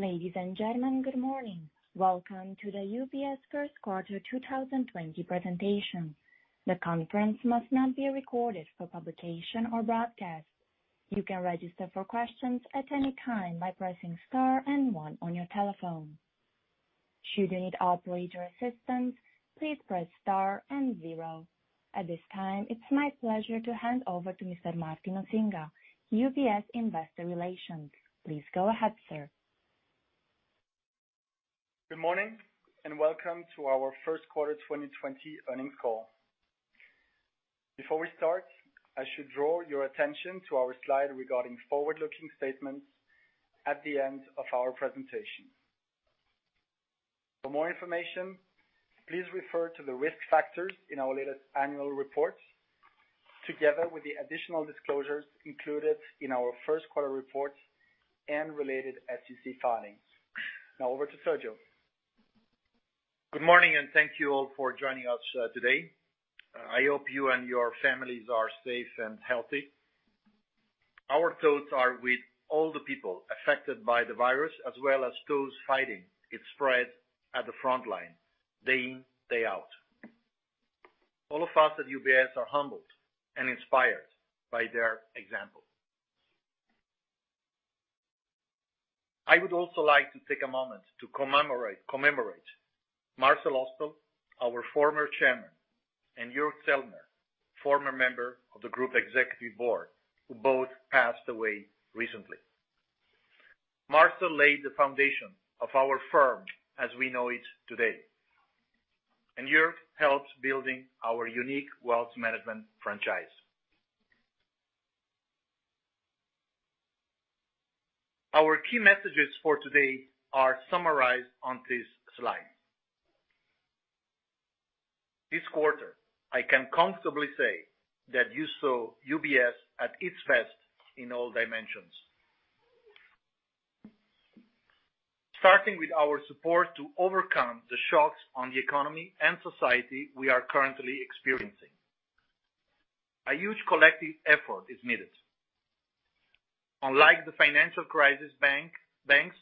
Ladies and gentlemen, good morning. Welcome to the UBS first quarter 2020 presentation. The conference must not be recorded for publication or broadcast. You can register for questions at any time by pressing star and one on your telephone. Should you need operator assistance, please press star and zero. At this time, it's my pleasure to hand over to Mr. Martin Osinga, UBS Investor Relations. Please go ahead, sir. Good morning, and welcome to our first quarter 2020 earnings call. Before we start, I should draw your attention to our slide regarding forward-looking statements at the end of our presentation. For more information, please refer to the risk factors in our latest annual report, together with the additional disclosures included in our first quarter report and related SEC filings. Now over to Sergio. Good morning. Thank you all for joining us today. I hope you and your families are safe and healthy. Our thoughts are with all the people affected by the virus, as well as those fighting its spread at the frontline, day in, day out. All of us at UBS are humbled and inspired by their example. I would also like to take a moment to commemorate Marcel Ospel, our former Chairman, and Jürg Zeltner, former member of the Group Executive Board, who both passed away recently. Marcel laid the foundation of our firm as we know it today. Jürg helped building our unique wealth management franchise. Our key messages for today are summarized on this slide. This quarter, I can comfortably say that you saw UBS at its best in all dimensions. Starting with our support to overcome the shocks on the economy and society we are currently experiencing. A huge collective effort is needed. Unlike the financial crisis, banks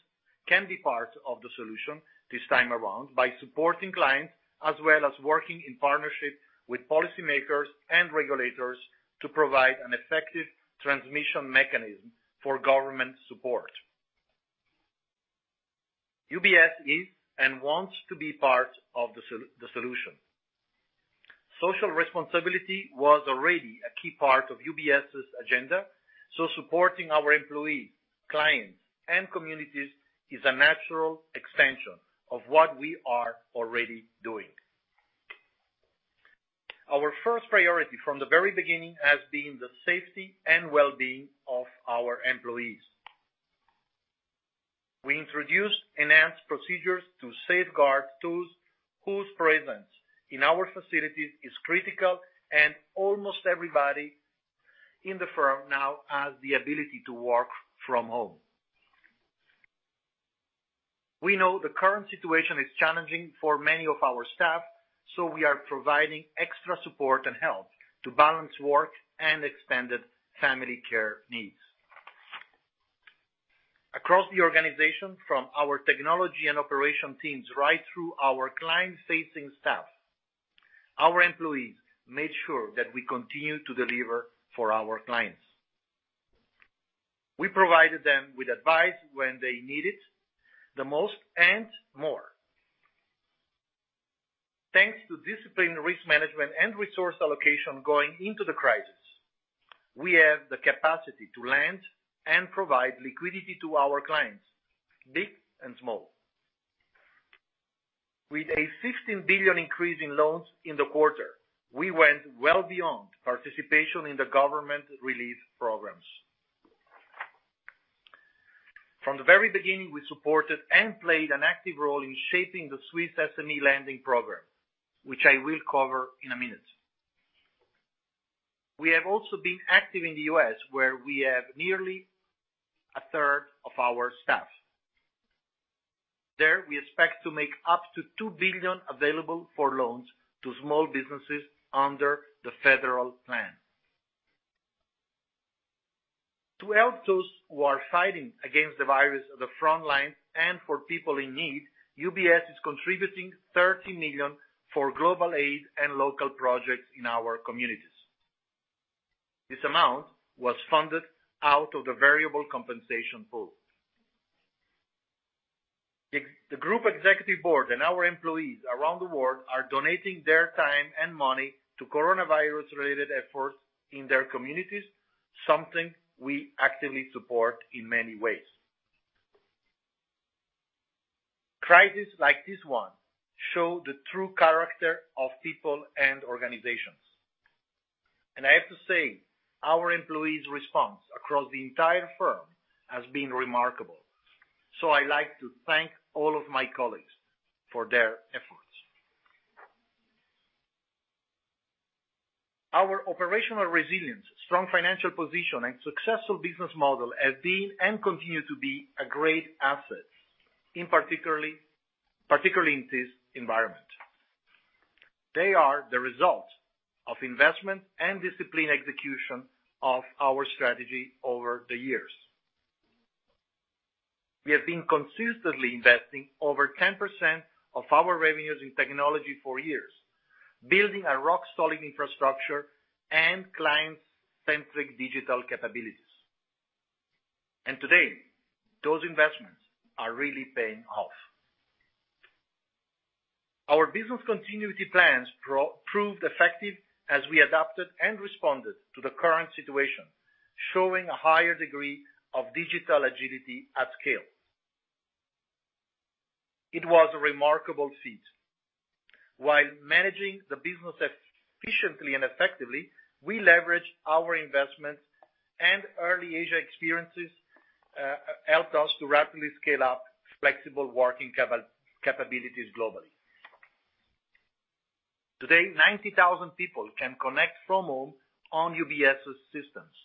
can be part of the solution this time around by supporting clients, as well as working in partnership with policymakers and regulators to provide an effective transmission mechanism for government support. UBS is and wants to be part of the solution. Social responsibility was already a key part of UBS's agenda, so supporting our employees, clients, and communities is a natural extension of what we are already doing. Our first priority from the very beginning has been the safety and well-being of our employees. We introduced enhanced procedures to safeguard those whose presence in our facilities is critical, and almost everybody in the firm now has the ability to work from home. We know the current situation is challenging for many of our staff. We are providing extra support and help to balance work and expanded family care needs. Across the organization, from our technology and operation teams, right through our client-facing staff, our employees made sure that we continue to deliver for our clients. We provided them with advice when they need it the most and more. Thanks to disciplined risk management and resource allocation going into the crisis, we have the capacity to lend and provide liquidity to our clients, big and small. With a 16 billion increase in loans in the quarter, we went well beyond participation in the government relief programs. From the very beginning, we supported and played an active role in shaping the Swiss SME lending program, which I will cover in a minute. We have also been active in the U.S., where we have nearly a third of our staff. There, we expect to make up to 2 billion available for loans to small businesses under the federal plan. To help those who are fighting against the virus at the front line and for people in need, UBS is contributing 30 million for global aid and local projects in our communities. This amount was funded out of the variable compensation pool. The Group Executive Board and our employees around the world are donating their time and money to coronavirus-related efforts in their communities, something we actively support in many ways. Crisis like this one show the true character of people and organizations, and I have to say our employees' response across the entire firm has been remarkable, so I like to thank all of my colleagues for their efforts. Our operational resilience, strong financial position, and successful business model have been and continue to be a great asset, particularly in this environment. They are the result of investment and disciplined execution of our strategy over the years. We have been consistently investing over 10% of our revenues in technology for years, building a rock-solid infrastructure and client-centric digital capabilities. Today, those investments are really paying off. Our business continuity plans proved effective as we adapted and responded to the current situation, showing a higher degree of digital agility at scale. It was a remarkable feat. While managing the business efficiently and effectively, we leveraged our investments, and early Asia experiences helped us to rapidly scale up flexible working capabilities globally. Today, 90,000 people can connect from home on UBS's systems.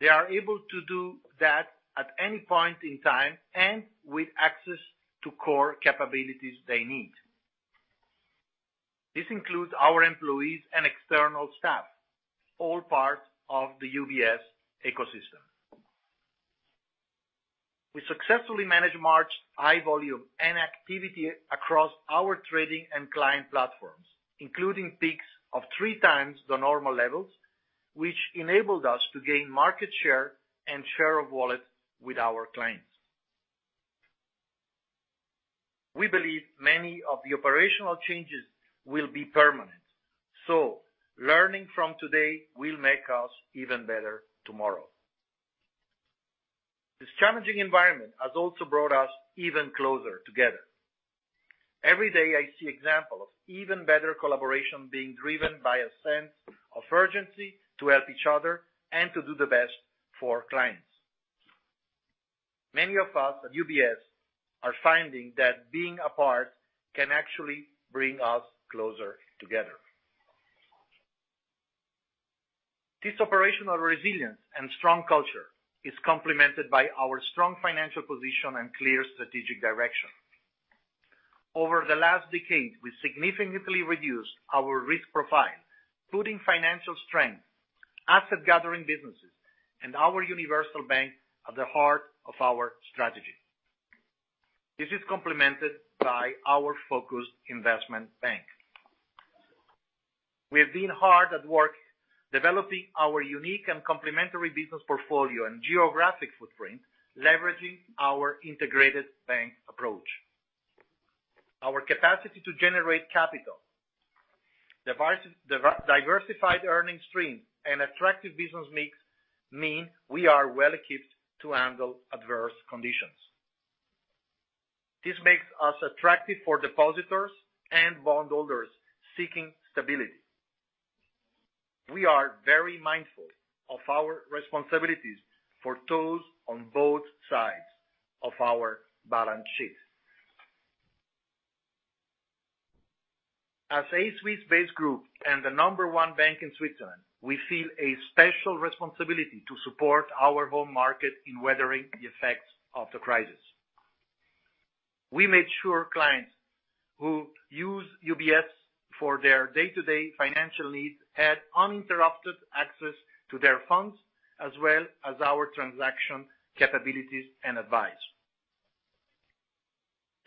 They are able to do that at any point in time, and with access to core capabilities they need. This includes our employees and external staff, all parts of the UBS ecosystem. We successfully managed March's high volume and activity across our trading and client platforms, including peaks of 3x the normal levels, which enabled us to gain market share and share of wallet with our clients. We believe many of the operational changes will be permanent. Learning from today will make us even better tomorrow. This challenging environment has also brought us even closer together. Every day, I see examples of even better collaboration being driven by a sense of urgency to help each other and to do the best for our clients. Many of us at UBS are finding that being apart can actually bring us closer together. This operational resilience and strong culture is complemented by our strong financial position and clear strategic direction. Over the last decade, we significantly reduced our risk profile, putting financial strength, asset gathering businesses, and our universal bank at the heart of our strategy. This is complemented by our focused Investment Bank. We have been hard at work developing our unique and complementary business portfolio and geographic footprint, leveraging our integrated bank approach. Our capacity to generate capital, diversified earning streams, and attractive business mix mean we are well equipped to handle adverse conditions. This makes us attractive for depositors and bondholders seeking stability. We are very mindful of our responsibilities for those on both sides of our balance sheets. As a Swiss-based group and the number one bank in Switzerland, we feel a special responsibility to support our home market in weathering the effects of the crisis. We made sure clients who use UBS for their day-to-day financial needs had uninterrupted access to their funds, as well as our transaction capabilities and advice.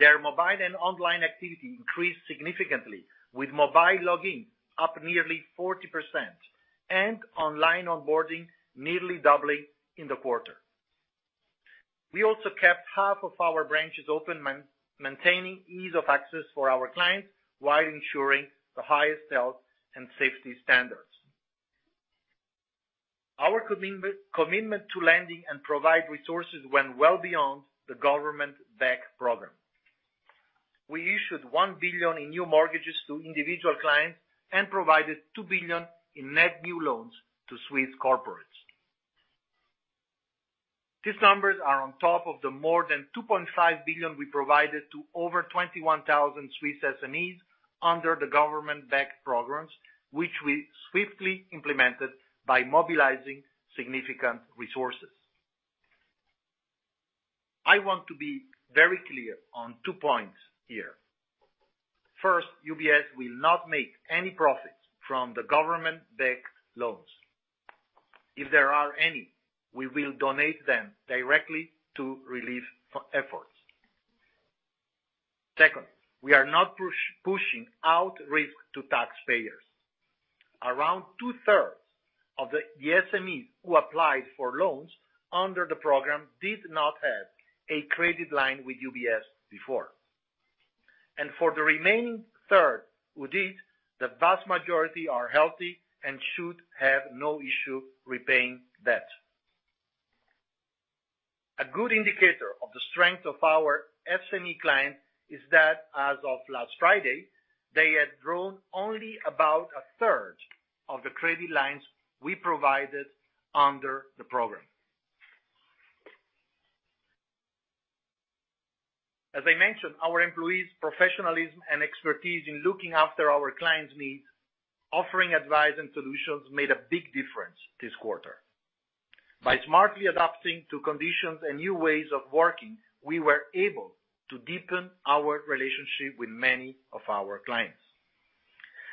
Their mobile and online activity increased significantly, with mobile login up nearly 40% and online onboarding nearly doubling in the quarter. We also kept half of our branches open, maintaining ease of access for our clients while ensuring the highest health and safety standards. Our commitment to lending and provide resources went well beyond the government-backed program. We issued 1 billion in new mortgages to individual clients and provided 2 billion in net new loans to Swiss corporates. These numbers are on top of the more than 2.5 billion we provided to over 21,000 Swiss SMEs under the government-backed programs, which we swiftly implemented by mobilizing significant resources. I want to be very clear on two points here. First, UBS will not make any profits from the government-backed loans. If there are any, we will donate them directly to relief efforts. Second, we are not pushing out risk to taxpayers. Around two-thirds of the SMEs who applied for loans under the program did not have a credit line with UBS before. For the remaining third who did, the vast majority are healthy and should have no issue repaying debt. A good indicator of the strength of our SME clients is that as of last Friday, they had drawn only about a third of the credit lines we provided under the program. As I mentioned, our employees' professionalism and expertise in looking after our clients' needs, offering advice and solutions, made a big difference this quarter. By smartly adapting to conditions and new ways of working, we were able to deepen our relationship with many of our clients.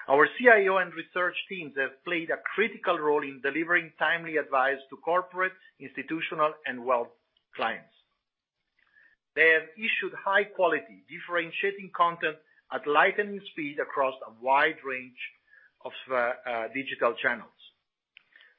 Our CIO and research teams have played a critical role in delivering timely advice to corporate, institutional, and wealth clients. They have issued high-quality, differentiating content at lightning speed across a wide range of digital channels.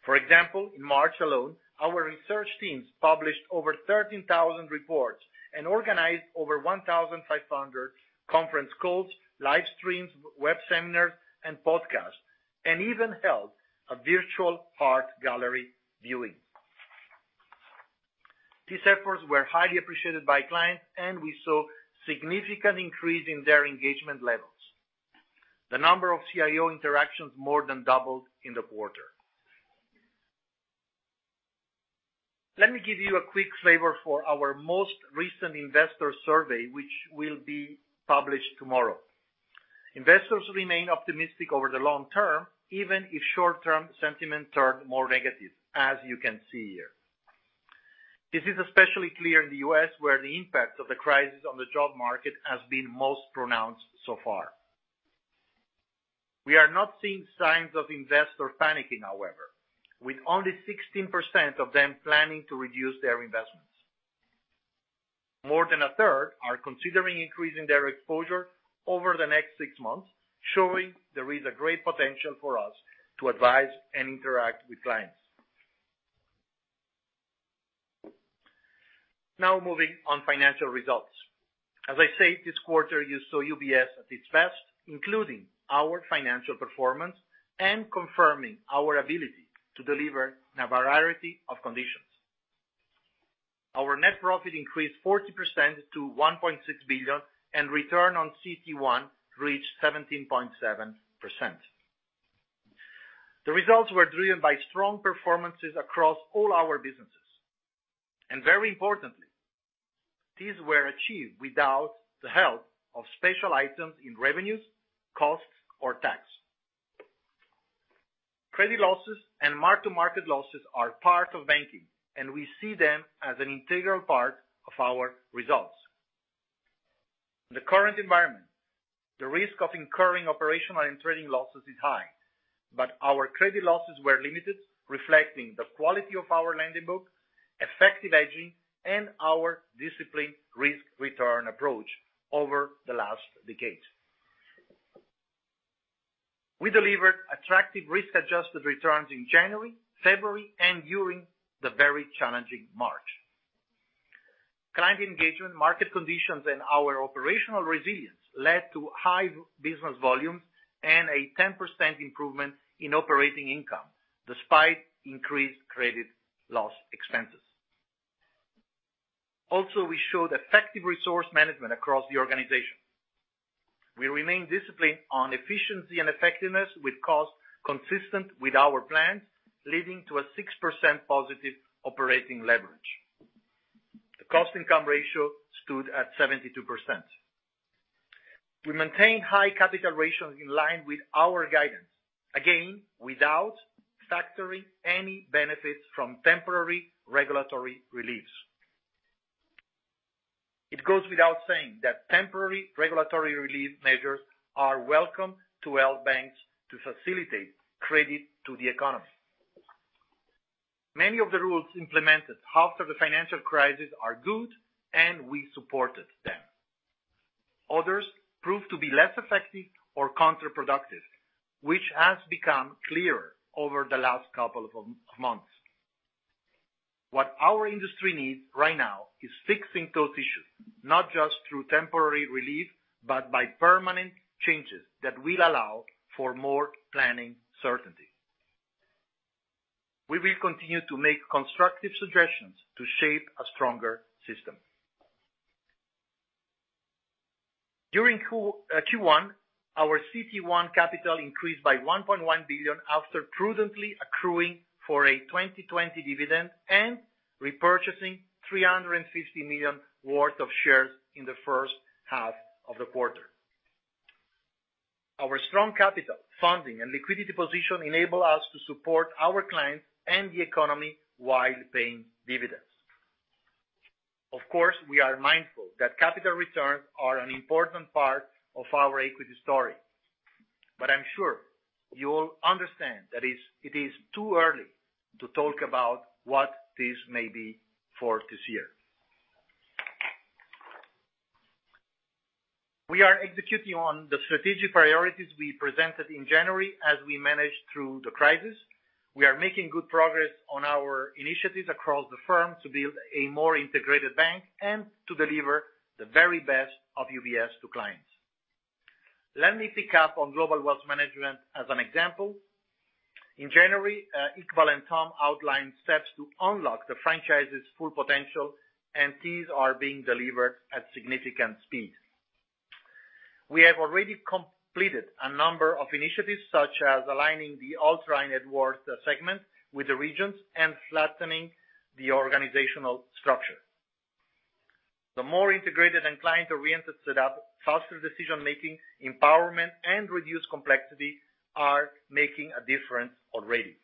For example, in March alone, our research teams published over 13,000 reports and organized over 1,500 conference calls, live streams, web seminars, and podcasts, and even held a virtual art gallery viewing. These efforts were highly appreciated by clients. We saw a significant increase in their engagement levels. The number of CIO interactions more than doubled in the quarter. Let me give you a quick flavor for our most recent investor survey, which will be published tomorrow. Investors remain optimistic over the long term, even if short-term sentiments are more negative, as you can see here. This is especially clear in the U.S., where the impact of the crisis on the job market has been most pronounced so far. We are not seeing signs of investor panicking, however, with only 16% of them planning to reduce their investments. More than a third are considering increasing their exposure over the next six months, showing there is a great potential for us to advise and interact with clients. Now, moving on financial results. As I said, this quarter, you saw UBS at its best, including our financial performance and confirming our ability to deliver in a variety of conditions. Our net profit increased 40% to 1.6 billion and return on CET1 reached 17.7%. The results were driven by strong performances across all our businesses, and very importantly, these were achieved without the help of special items in revenues, costs, or tax. Credit losses and mark-to-market losses are part of banking, and we see them as an integral part of our results. In the current environment, the risk of incurring operational and trading losses is high, but our credit losses were limited, reflecting the quality of our lending book, effective hedging, and our disciplined risk-return approach over the last decade. We delivered attractive risk-adjusted returns in January, February, and during the very challenging March. Client engagement, market conditions, and our operational resilience led to high business volumes and a 10% improvement in operating income despite increased credit loss expenses. Also, we showed effective resource management across the organization. We remain disciplined on efficiency and effectiveness with costs consistent with our plans, leading to a 6% positive operating leverage. The cost-income ratio stood at 72%. We maintain high capital ratios in line with our guidance, again, without factoring any benefits from temporary regulatory reliefs. It goes without saying that temporary regulatory relief measures are welcome to help banks to facilitate credit to the economy. Many of the rules implemented after the financial crisis are good, and we supported them. Others proved to be less effective or counterproductive, which has become clearer over the last couple of months. What our industry needs right now is fixing those issues, not just through temporary relief, but by permanent changes that will allow for more planning certainty. We will continue to make constructive suggestions to shape a stronger system. During Q1, our CET1 capital increased by 1.1 billion after prudently accruing for a 2020 dividend and repurchasing 350 million worth of shares in the first half of the quarter. Our strong capital funding and liquidity position enable us to support our clients and the economy while paying dividends. Of course, we are mindful that capital returns are an important part of our equity story, but I'm sure you will understand that it is too early to talk about what this may be for this year. We are executing on the strategic priorities we presented in January as we manage through the crisis. We are making good progress on our initiatives across the firm to build a more integrated bank and to deliver the very best of UBS to clients. Let me pick up on Global Wealth Management as an example. In January, Iqbal and Tom outlined steps to unlock the franchise's full potential, and these are being delivered at significant speed. We have already completed a number of initiatives, such as aligning the ultra-high-net-worth segment with the regions and flattening the organizational structure. The more integrated and client-oriented setup, faster decision-making, empowerment, and reduced complexity are making a difference already.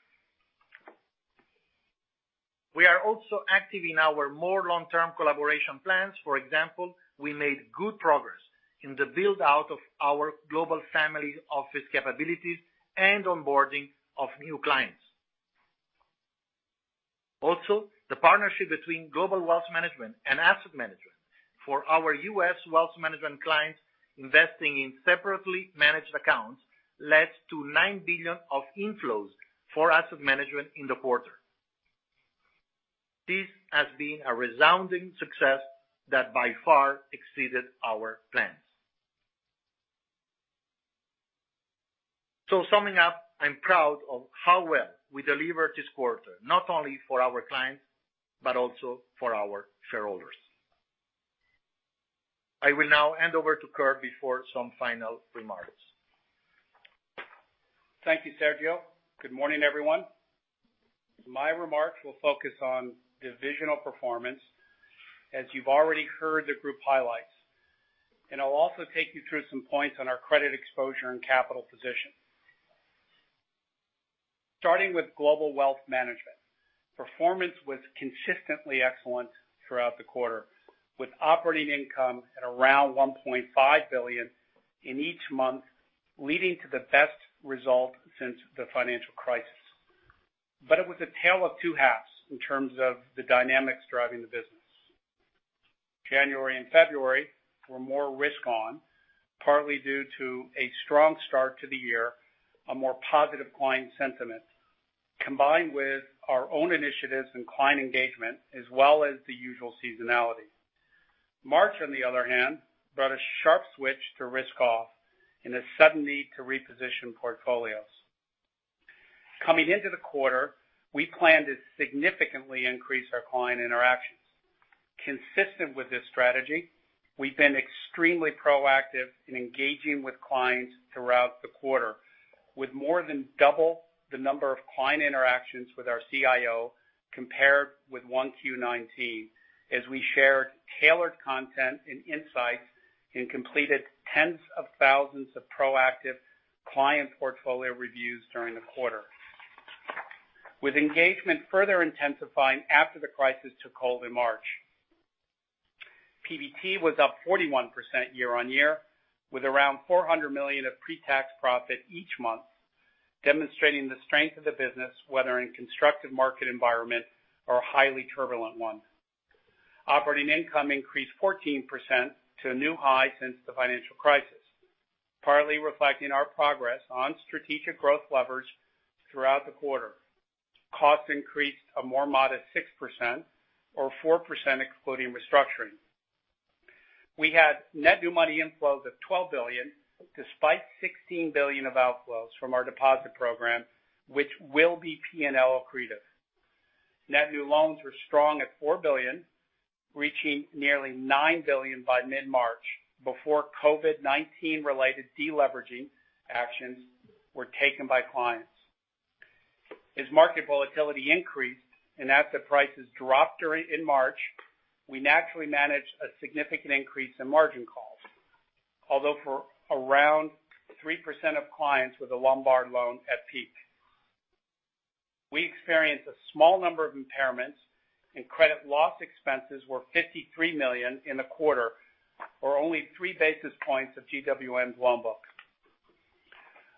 We are also active in our more long-term collaboration plans. For example, we made good progress in the build-out of our global family office capabilities and onboarding of new clients. Also, the partnership between Global Wealth Management and Asset Management for our U.S. wealth management clients investing in separately managed accounts led to $9 billion of inflows for Asset Management in the quarter. This has been a resounding success that by far exceeded our plans. Summing up, I'm proud of how well we delivered this quarter, not only for our clients, but also for our shareholders. I will now hand over to Kirt before some final remarks. Thank you, Sergio. Good morning, everyone. My remarks will focus on divisional performance, as you've already heard the group highlights. I'll also take you through some points on our credit exposure and capital position. Starting with Global Wealth Management, performance was consistently excellent throughout the quarter, with operating income at around $1.5 billion in each month, leading to the best result since the financial crisis. It was a tale of two halves in terms of the dynamics driving the business. January and February were more risk on, partly due to a strong start to the year, a more positive client sentiment, combined with our own initiatives and client engagement, as well as the usual seasonality. March, on the other hand, brought a sharp switch to risk off and a sudden need to reposition portfolios. Coming into the quarter, we planned to significantly increase our client interactions. Consistent with this strategy, we've been extremely proactive in engaging with clients throughout the quarter with more than double the number of client interactions with our CIO compared with 1Q19, as we shared tailored content and insights and completed tens of thousands of proactive client portfolio reviews during the quarter, with engagement further intensifying after the crisis took hold in March. PBT was up 41% year-on-year, with around 400 million of pre-tax profit each month, demonstrating the strength of the business, whether in constructive market environment or a highly turbulent one. Operating income increased 14% to a new high since the financial crisis, partly reflecting our progress on strategic growth leverage throughout the quarter. Costs increased a more modest 6% or 4% excluding restructuring. We had net new money inflows of 12 billion, despite 16 billion of outflows from our deposit program, which will be P&L accretive. Net new loans were strong at 4 billion, reaching nearly 9 billion by mid-March before COVID-19 related deleveraging actions were taken by clients. As market volatility increased and asset prices dropped in March, we naturally managed a significant increase in margin calls. Although for around 3% of clients with a Lombard loan at peak, we experienced a small number of impairments and credit loss expenses were 53 million in the quarter, or only three basis points of GWM's loan book.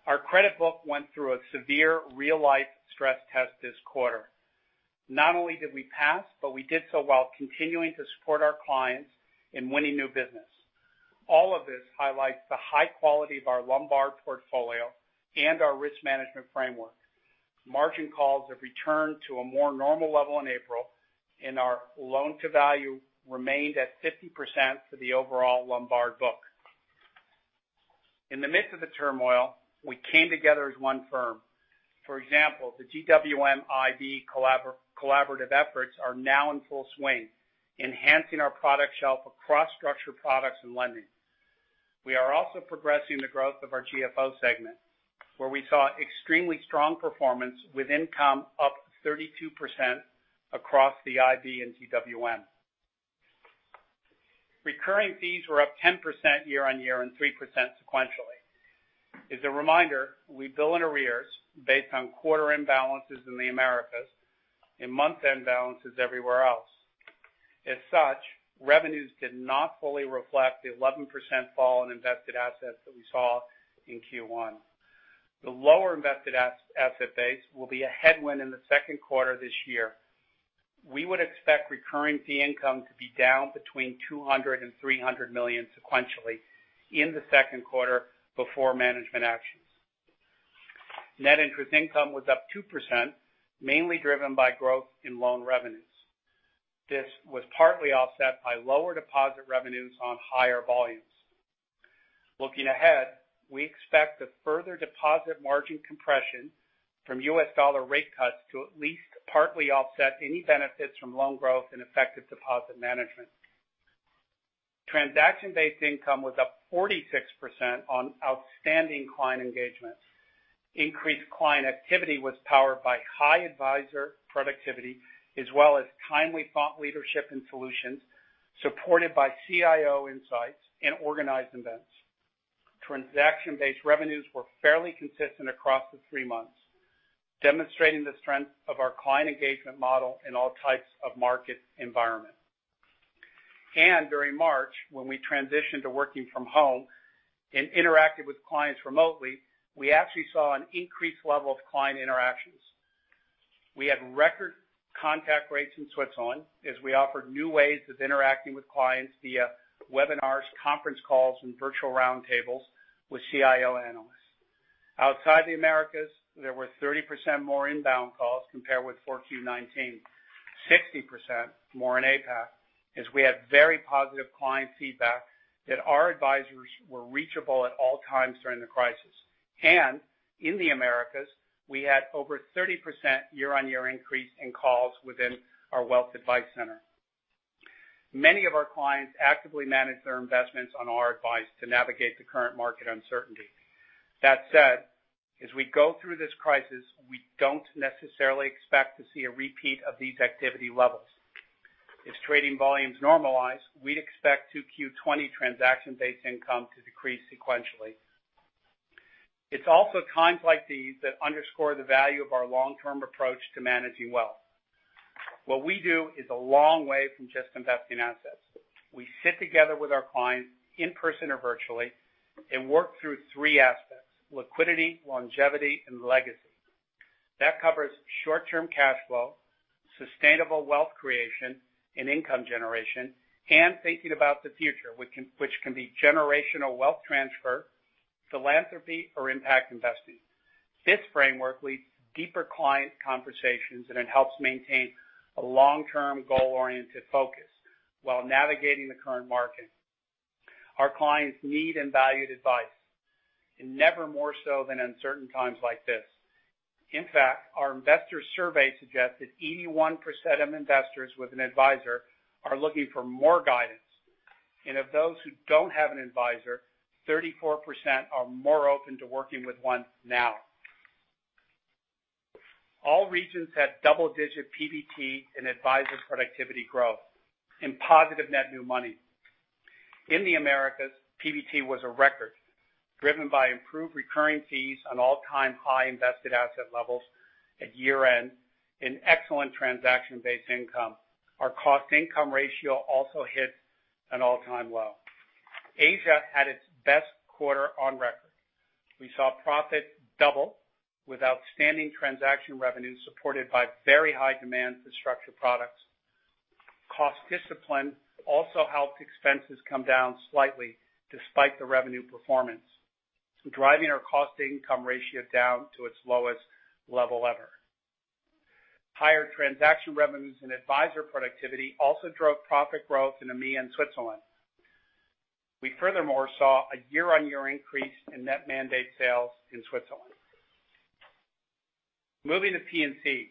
Our credit book went through a severe real-life stress test this quarter. Not only did we pass, but we did so while continuing to support our clients in winning new business. All of this highlights the high quality of our Lombard portfolio and our risk management framework. Margin calls have returned to a more normal level in April, and our loan-to-value remained at 50% for the overall Lombard book. In the midst of the turmoil, we came together as one firm. For example, the GWM IB collaborative efforts are now in full swing, enhancing our product shelf across structured products and lending. We are also progressing the growth of our GFO segment, where we saw extremely strong performance with income up 32% across the IB and GWM. Recurring fees were up 10% year-over-year and 3% sequentially. As a reminder, we bill in arrears based on quarter-end balances in the Americas and month-end balances everywhere else. Revenues did not fully reflect the 11% fall in invested assets that we saw in Q1. The lower invested asset base will be a headwind in the second quarter this year. We would expect recurring fee income to be down between 200 million and 300 million sequentially in the second quarter before management actions. Net interest income was up 2%, mainly driven by growth in loan revenues. This was partly offset by lower deposit revenues on higher volumes. Looking ahead, we expect a further deposit margin compression from U.S. dollar rate cuts to at least partly offset any benefits from loan growth and effective deposit management. Transaction-based income was up 46% on outstanding client engagement. Increased client activity was powered by high advisor productivity, as well as timely thought leadership and solutions supported by CIO insights and organized events. Transaction-based revenues were fairly consistent across the three months, demonstrating the strength of our client engagement model in all types of market environment. During March, when we transitioned to working from home and interacted with clients remotely, we actually saw an increased level of client interactions. We had record contact rates in Switzerland as we offered new ways of interacting with clients via webinars, conference calls, and virtual roundtables with CIO analysts. Outside the Americas, there were 30% more inbound calls compared with 4Q19, 60% more in APAC, as we had very positive client feedback that our advisors were reachable at all times during the crisis. In the Americas, we had over 30% year-on-year increase in calls within our Wealth Advice Center. Many of our clients actively manage their investments on our advice to navigate the current market uncertainty. That said, as we go through this crisis, we don't necessarily expect to see a repeat of these activity levels. As trading volumes normalize, we'd expect 2Q20 transaction-based income to decrease sequentially. It's also times like these that underscore the value of our long-term approach to managing wealth. What we do is a long way from just investing assets. We sit together with our clients in person or virtually and work through three aspects, liquidity, longevity, and legacy. That covers short-term cash flow, sustainable wealth creation and income generation, and thinking about the future, which can be generational wealth transfer, philanthropy, or impact investing. This framework leads to deeper client conversations, and it helps maintain a long-term goal-oriented focus while navigating the current market. Our clients need and value advice, and never more so than uncertain times like this. In fact, our investor survey suggests that 81% of investors with an advisor are looking for more guidance. Of those who don't have an advisor, 34% are more open to working with one now. All regions had double-digit PBT and advisor productivity growth and positive net new money. In the Americas, PBT was a record driven by improved recurring fees on all-time high invested asset levels at year-end and excellent transaction-based income. Our cost-income ratio also hit an all-time low. Asia had its best quarter on record. We saw profit double with outstanding transaction revenue supported by very high demand for structured products. Cost discipline also helped expenses come down slightly despite the revenue performance, driving our cost-income ratio down to its lowest level ever. Higher transaction revenues and advisor productivity also drove profit growth in EMEA and Switzerland. We furthermore saw a year-on-year increase in net mandate sales in Switzerland. Moving to P&C.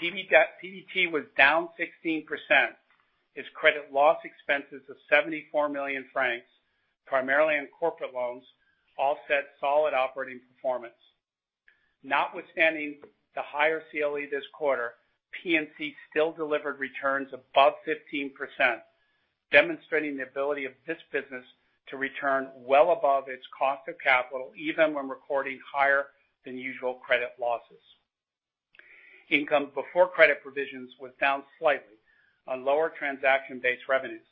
PBT was down 16% as credit loss expenses of 74 million francs, primarily in corporate loans, offset solid operating performance. Notwithstanding the higher CLE this quarter, P&C still delivered returns above 15%, demonstrating the ability of this business to return well above its cost of capital, even when recording higher than usual credit losses. Income before credit provisions was down slightly on lower transaction-based revenues,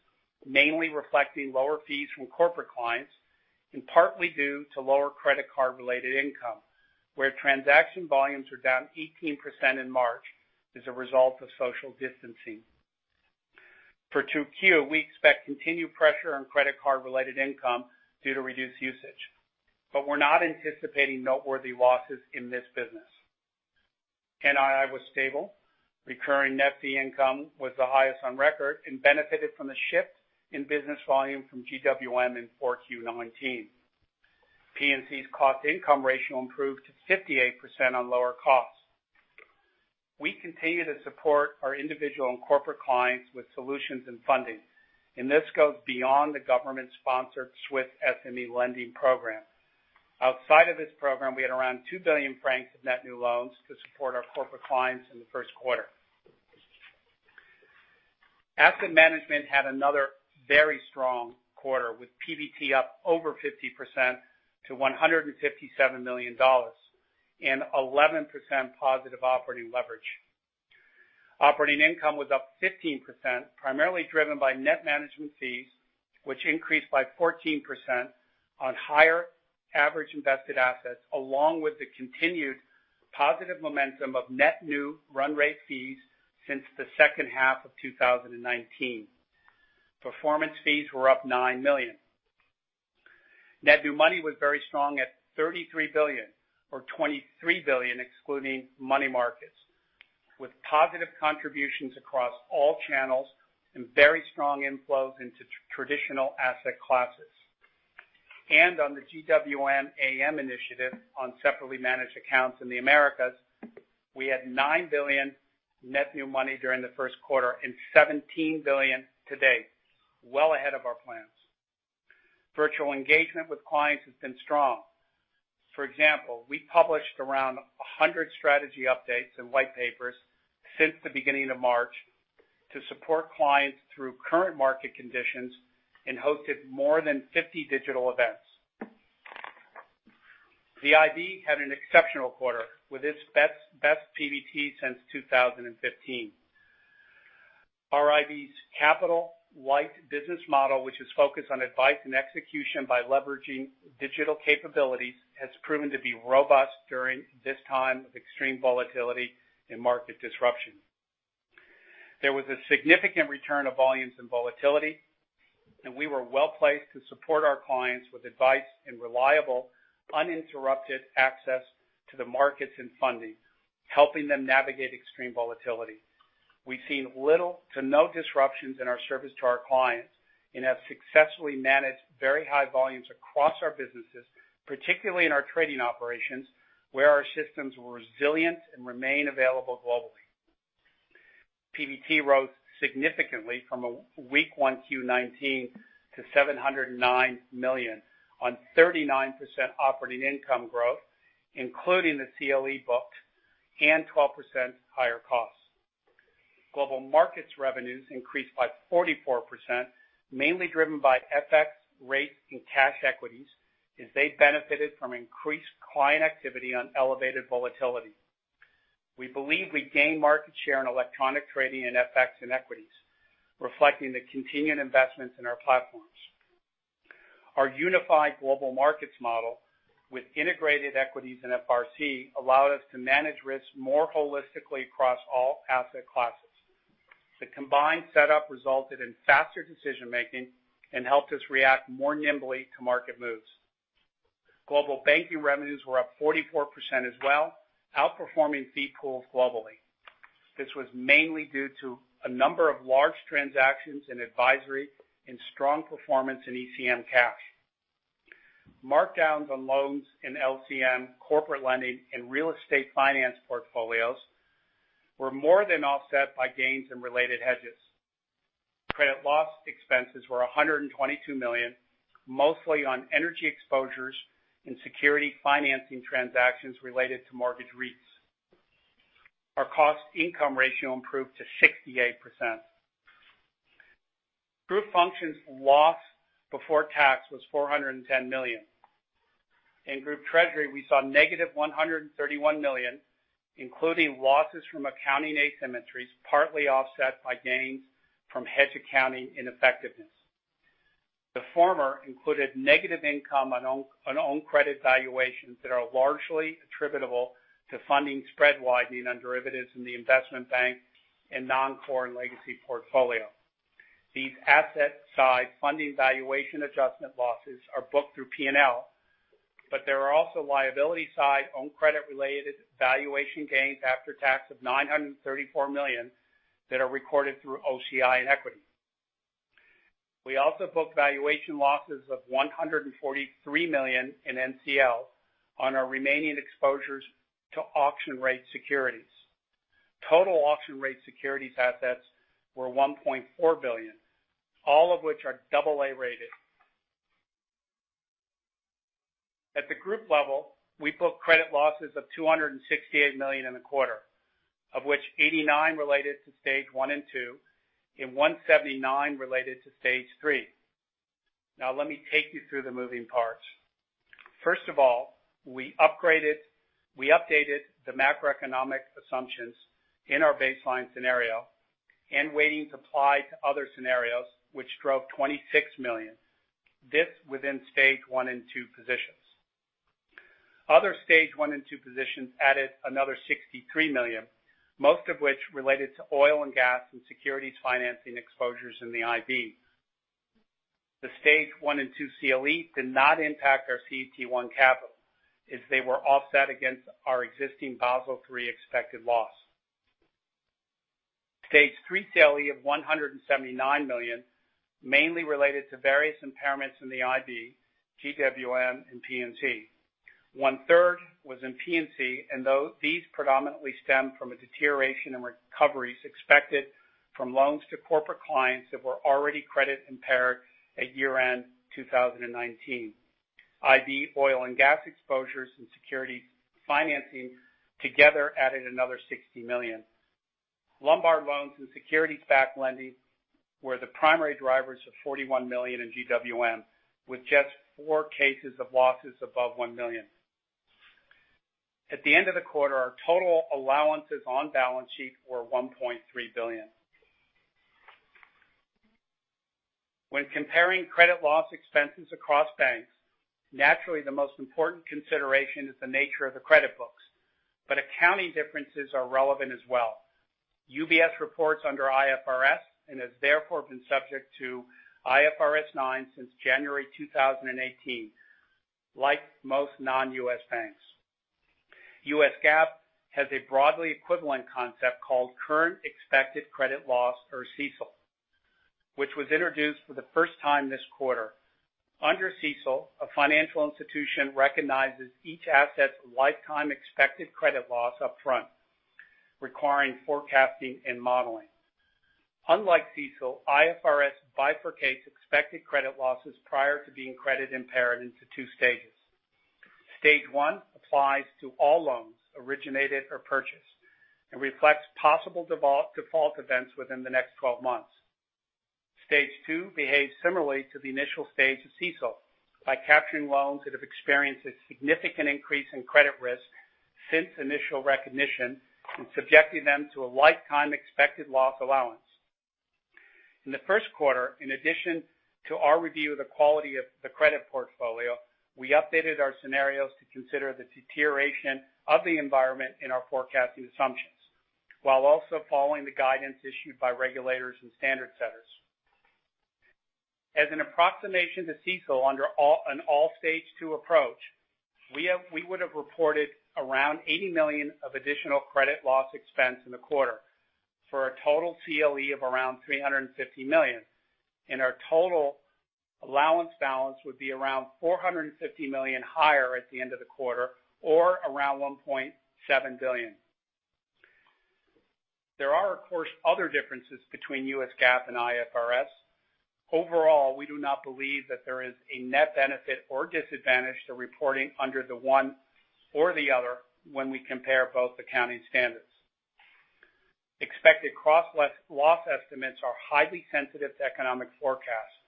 mainly reflecting lower fees from corporate clients and partly due to lower credit card-related income, where transaction volumes were down 18% in March as a result of social distancing. For 2Q, we expect continued pressure on credit card-related income due to reduced usage. We're not anticipating noteworthy losses in this business. NII was stable. Recurring net fee income was the highest on record and benefited from the shift in business volume from GWM in 4Q19. P&C's cost-income ratio improved to 58% on lower costs. We continue to support our individual and corporate clients with solutions and funding, this goes beyond the government-sponsored Swiss SME Lending Program. Outside of this program, we had around 2 billion francs of net new loans to support our corporate clients in the first quarter. Asset Management had another very strong quarter, with PBT up over 50% to CHF 157 million and 11% positive operating leverage. Operating income was up 15%, primarily driven by net management fees, which increased by 14% on higher average invested assets, along with the continued positive momentum of net new run rate fees since the second half of 2019. Performance fees were up 9 million. Net new money was very strong at 33 billion, or 23 billion excluding money markets, with positive contributions across all channels and very strong inflows into traditional asset classes. On the GWM AM initiative on separately managed accounts in the Americas, we had 9 billion net new money during the first quarter and 17 billion today. Well ahead of our plans. Virtual engagement with clients has been strong. For example, we published around 100 strategy updates and white papers since the beginning of March to support clients through current market conditions and hosted more than 50 digital events. The IB had an exceptional quarter with its best PBT since 2015. Our IB's capital-light business model, which is focused on advice and execution by leveraging digital capabilities, has proven to be robust during this time of extreme volatility and market disruption. There was a significant return of volumes and volatility, and we were well-placed to support our clients with advice and reliable, uninterrupted access to the markets and funding, helping them navigate extreme volatility. We've seen little to no disruptions in our service to our clients and have successfully managed very high volumes across our businesses, particularly in our trading operations, where our systems were resilient and remain available globally. PBT rose significantly from a weak 1Q 2019 to 709 million on 39% operating income growth, including the CLE booked and 12% higher costs. Global Markets revenues increased by 44%, mainly driven by FX rates and cash equities as they benefited from increased client activity on elevated volatility. We believe we gained market share in electronic trading and FX and equities, reflecting the continuing investments in our platforms. Our unified Global Markets model with integrated equities and FRC allowed us to manage risks more holistically across all asset classes. The combined setup resulted in faster decision-making and helped us react more nimbly to market moves. Global Banking revenues were up 44% as well, outperforming fee pools globally. This was mainly due to a number of large transactions in advisory and strong performance in ECM cash. Markdowns on loans in LCM, corporate lending, and real estate finance portfolios were more than offset by gains in related hedges. Credit loss expenses were 122 million, mostly on energy exposures and security financing transactions related to mortgage REITs. Our cost-income ratio improved to 68%. Group Functions loss before tax was 410 million. In Group Treasury, we saw negative 131 million, including losses from accounting asymmetries, partly offset by gains from hedge accounting ineffectiveness. The former included negative income on own credit valuations that are largely attributable to funding spread widening on derivatives in the Investment Bank and Non-Core and Legacy portfolio. These asset side funding valuation adjustment losses are booked through P&L, but there are also liability side own credit-related valuation gains after tax of 934 million that are recorded through OCI and equity. We also booked valuation losses of 143 million in NCL on our remaining exposures to auction rate securities. Total auction rate securities assets were 1.4 billion, all of which are double A-rated. At the group level, we book credit losses of 268 million in the quarter, of which 89 related to Stage 1 and 2 and 179 related to Stage 3. Let me take you through the moving parts. We updated the macroeconomic assumptions in our baseline scenario and weightings applied to other scenarios, which drove 26 million. This within Stage 1 and 2 positions. Other Stage 1 and 2 positions added another 63 million, most of which related to oil and gas and securities financing exposures in the IB. The Stage 1 and 2 CLE did not impact our CET1 capital, as they were offset against our existing Basel III expected loss. Stage 3 CLE of 179 million mainly related to various impairments in the IB, GWM, and P&C. One-third was in P&C. These predominantly stemmed from a deterioration in recoveries expected from loans to corporate clients that were already credit-impaired at year-end 2019. IB oil and gas exposures and security financing together added another 60 million. Lombard loans and securities-backed lending were the primary drivers of 41 million in GWM, with just four cases of losses above one million. At the end of the quarter, our total allowances on balance sheet were 1.3 billion. When comparing credit loss expenses across banks, naturally, the most important consideration is the nature of the credit books, but accounting differences are relevant as well. UBS reports under IFRS and has therefore been subject to IFRS 9 since January 2018, like most non-U.S. banks. U.S. GAAP has a broadly equivalent concept called Current Expected Credit Loss or CECL, which was introduced for the first time this quarter. Under CECL, a financial institution recognizes each asset's lifetime expected credit loss up front, requiring forecasting and modeling. Unlike CECL, IFRS bifurcates expected credit losses prior to being credit impaired into two stages. Stage 1 applies to all loans originated or purchased and reflects possible default events within the next 12 months. Stage 2 behaves similarly to the initial stage of CECL by capturing loans that have experienced a significant increase in credit risk since initial recognition and subjecting them to a lifetime expected loss allowance. In the first quarter, in addition to our review of the quality of the credit portfolio, we updated our scenarios to consider the deterioration of the environment in our forecasting assumptions, while also following the guidance issued by regulators and standard setters. As an approximation to CECL under an Stage 2 approach, we would've reported around 80 million of additional credit loss expense in the quarter for a total CLE of around 350 million. Our total allowance balance would be around 450 million higher at the end of the quarter, or around 1.7 billion. There are, of course, other differences between U.S. GAAP and IFRS. Overall, we do not believe that there is a net benefit or disadvantage to reporting under the one or the other when we compare both accounting standards. Expected credit loss estimates are highly sensitive to economic forecasts.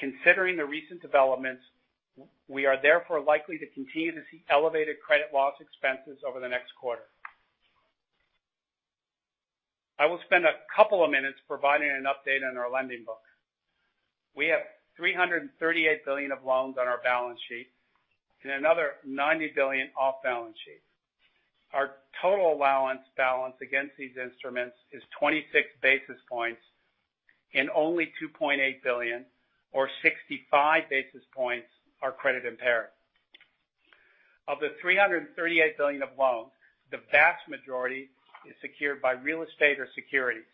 Considering the recent developments, we are therefore likely to continue to see elevated credit loss expenses over the next quarter. I will spend a couple of minutes providing an update on our lending book. We have 338 billion of loans on our balance sheet and another 90 billion off balance sheet. Our total allowance balance against these instruments is 26 basis points, and only 2.8 billion, or 65 basis points, are credit impaired. Of the 338 billion of loans, the vast majority is secured by real estate or securities.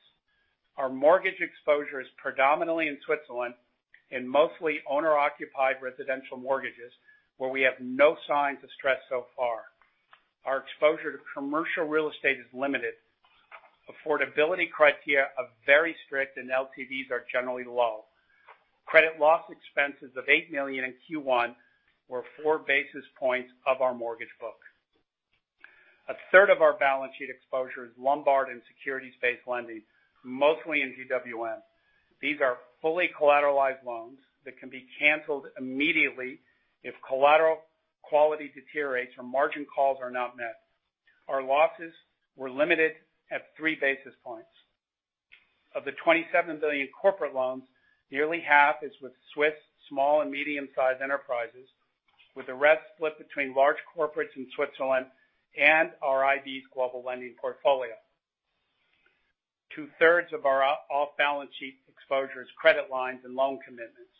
Our mortgage exposure is predominantly in Switzerland and mostly owner-occupied residential mortgages where we have no signs of stress so far. Our exposure to commercial real estate is limited. Affordability criteria are very strict and LTVs are generally low. Credit loss expenses of 8 million in Q1 were four basis points of our mortgage book. A third of our balance sheet exposure is Lombard and securities-based lending, mostly in GWM. These are fully collateralized loans that can be canceled immediately if collateral quality deteriorates or margin calls are not met. Our losses were limited at three basis points. Of the 27 billion corporate loans, nearly half is with Swiss small and medium-sized enterprises, with the rest split between large corporates in Switzerland and our IB's global lending portfolio. Two-thirds of our off-balance sheet exposure is credit lines and loan commitments.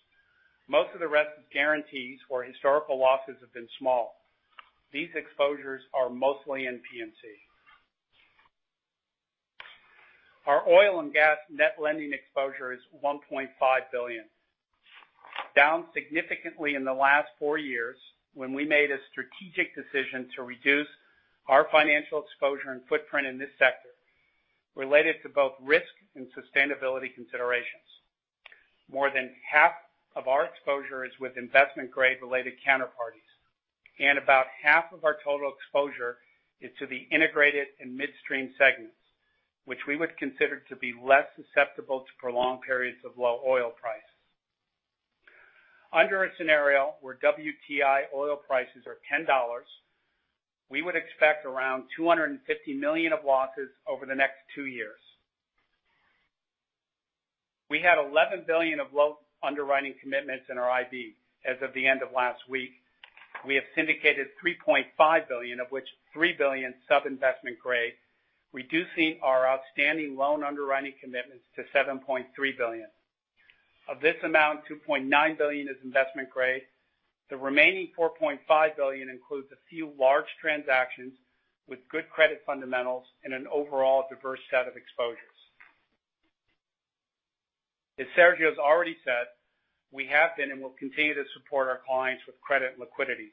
Most of the rest is guarantees where historical losses have been small. These exposures are mostly in P&C. Our oil and gas net lending exposure is 1.5 billion. Down significantly in the last four years when we made a strategic decision to reduce our financial exposure and footprint in this sector related to both risk and sustainability considerations. More than half of our exposure is with investment grade-related counterparties. About half of our total exposure is to the Integrated and Midstream segments, which we would consider to be less susceptible to prolonged periods of low oil price. Under a scenario where WTI oil prices are $10, we would expect around 250 million of losses over the next two years. We had 11 billion of loan underwriting commitments in our IB as of the end of last week. We have syndicated 3.5 billion, of which 3 billion sub-investment grade, reducing our outstanding loan underwriting commitments to 7.3 billion. Of this amount, 2.9 billion is investment grade. The remaining 4.5 billion includes a few large transactions with good credit fundamentals and an overall diverse set of exposures. As Sergio has already said, we have been and will continue to support our clients with credit and liquidity.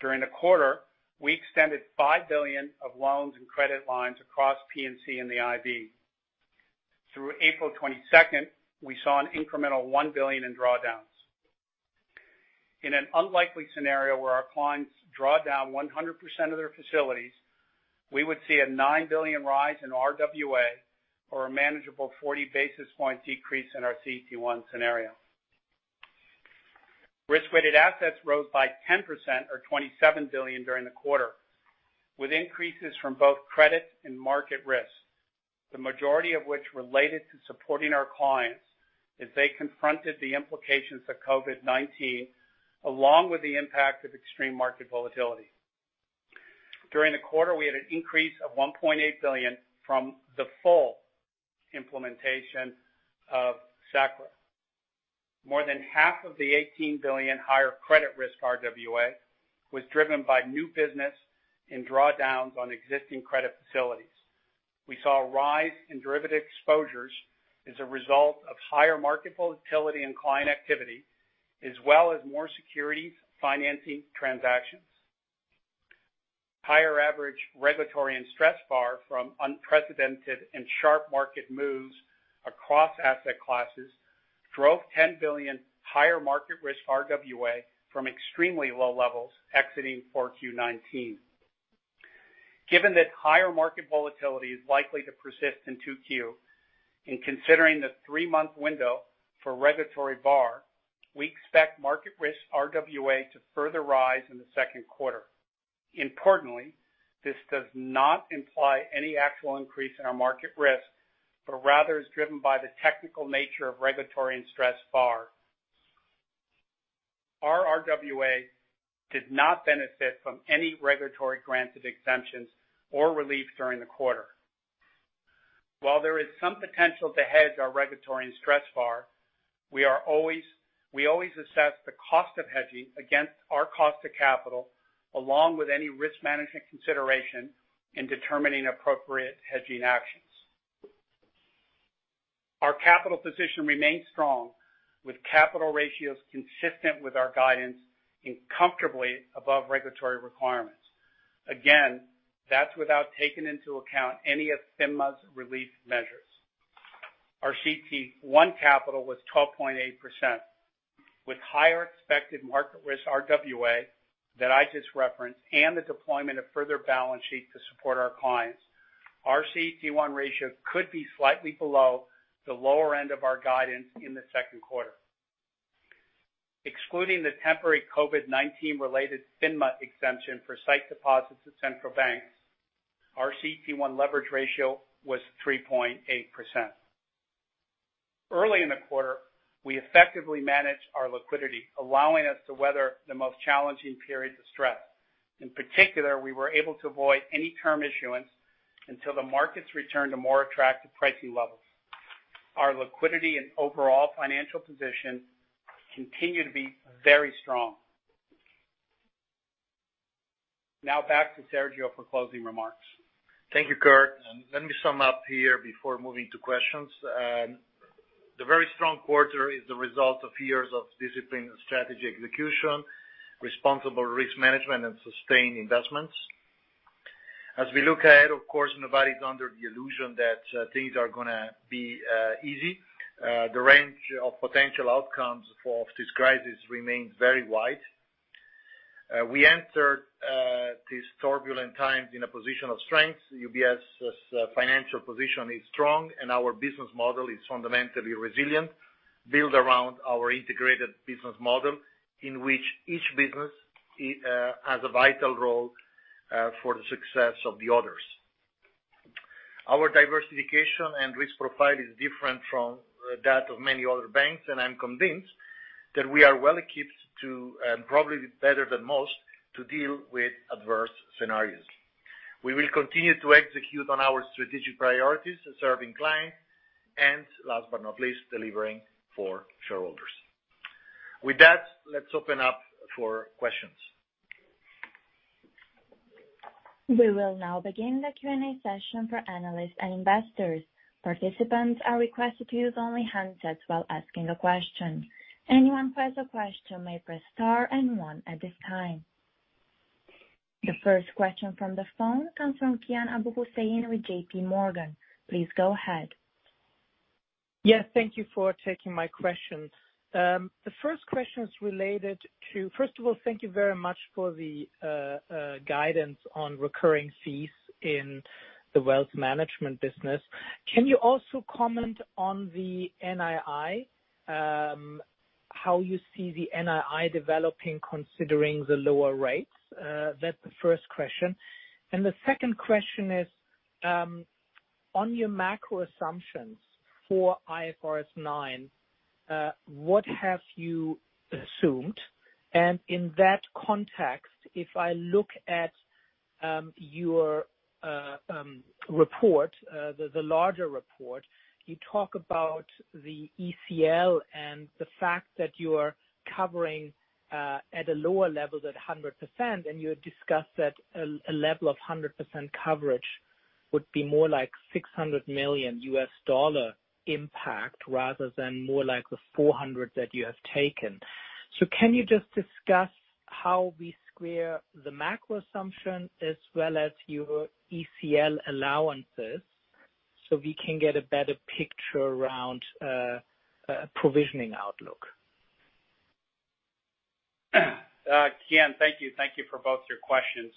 During the quarter, we extended 5 billion of loans and credit lines across P&C and the IB. Through April 22nd, we saw an incremental 1 billion in drawdowns. In an unlikely scenario where our clients draw down 100% of their facilities, we would see a 9 billion rise in RWA or a manageable 40 basis points decrease in our CET1 scenario. Risk-weighted assets rose by 10%, or 27 billion during the quarter, with increases from both credit and market risk, the majority of which related to supporting our clients as they confronted the implications of COVID-19, along with the impact of extreme market volatility. During the quarter, we had an increase of 1.8 billion from the full implementation of SA-CCR. More than half of the 18 billion higher credit risk RWA was driven by new business and drawdowns on existing credit facilities. We saw a rise in derivative exposures as a result of higher market volatility and client activity, as well as more securities financing transactions. Higher average regulatory and StressVaR from unprecedented and sharp market moves across asset classes drove 10 billion higher market risk RWA from extremely low levels exiting 4Q19. Given that higher market volatility is likely to persist in 2Q, in considering the three-month window for regulatory VaR, we expect market risk RWA to further rise in the second quarter. Importantly, this does not imply any actual increase in our market risk, but rather is driven by the technical nature of regulatory and stress VaR. Our RWA did not benefit from any regulatory granted exemptions or relief during the quarter. While there is some potential to hedge our regulatory and stress VaR, we always assess the cost of hedging against our cost of capital, along with any risk management consideration in determining appropriate hedging actions. Our capital position remains strong, with capital ratios consistent with our guidance and comfortably above regulatory requirements. Again, that's without taking into account any of FINMA's relief measures. Our CET1 capital was 12.8%, with higher expected market risk RWA that I just referenced, and the deployment of further balance sheet to support our clients. Our CET1 ratio could be slightly below the lower end of our guidance in the second quarter. Excluding the temporary COVID-19 related FINMA exemption for site deposits at central banks, our CET1 leverage ratio was 3.8%. Early in the quarter, we effectively managed our liquidity, allowing us to weather the most challenging periods of stress. In particular, we were able to avoid any term issuance until the markets returned to more attractive pricing levels. Our liquidity and overall financial position continue to be very strong. Back to Sergio for closing remarks. Thank you, Kirt. Let me sum up here before moving to questions. The very strong quarter is the result of years of disciplined strategy execution, responsible risk management, and sustained investments. As we look ahead, of course, nobody is under the illusion that things are going to be easy. The range of potential outcomes of this crisis remains very wide. We entered these turbulent times in a position of strength. UBS's financial position is strong, and our business model is fundamentally resilient, built around our integrated business model, in which each business has a vital role for the success of the others. Our diversification and risk profile is different from that of many other banks, and I'm convinced that we are well-equipped to, probably better than most, to deal with adverse scenarios. We will continue to execute on our strategic priorities in serving clients, and last but not least, delivering for shareholders. With that, let's open up for questions. We will now begin the Q&A session for analysts and investors. Participants are requested to use only handsets while asking a question. Anyone who has a question may press star and one at this time. The first question from the phone comes from Kian Abouhossein with JPMorgan. Please go ahead. Yes, thank you for taking my questions. First of all, thank you very much for the guidance on recurring fees in the wealth management business. Can you also comment on the NII? How you see the NII developing considering the lower rates? That's the first question. The second question is, on your macro assumptions for IFRS 9, what have you assumed? In that context, if I look at your report, the larger report, you talk about the ECL and the fact that you are covering at a lower level than 100%, and you had discussed that a level of 100% coverage would be more like CHF 600 million impact rather than more like the 400 that you have taken. Can you just discuss how we square the macro assumption as well as your ECL allowances so we can get a better picture around provisioning outlook? Kian, thank you. Thank you for both your questions.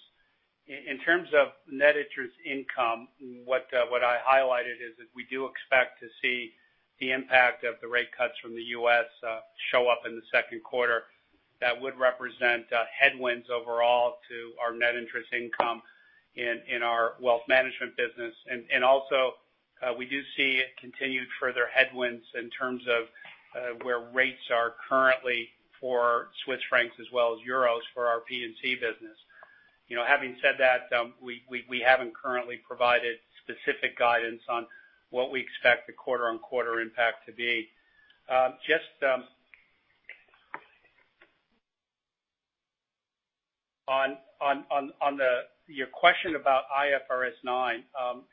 In terms of net interest income, what I highlighted is that we do expect to see the impact of the rate cuts from the U.S. show up in the second quarter. That would represent headwinds overall to our net interest income in our wealth management business. Also, we do see continued further headwinds in terms of where rates are currently for Swiss francs as well as euros for our P&C business. Having said that, we haven't currently provided specific guidance on what we expect the quarter-on-quarter impact to be. On your question about IFRS 9,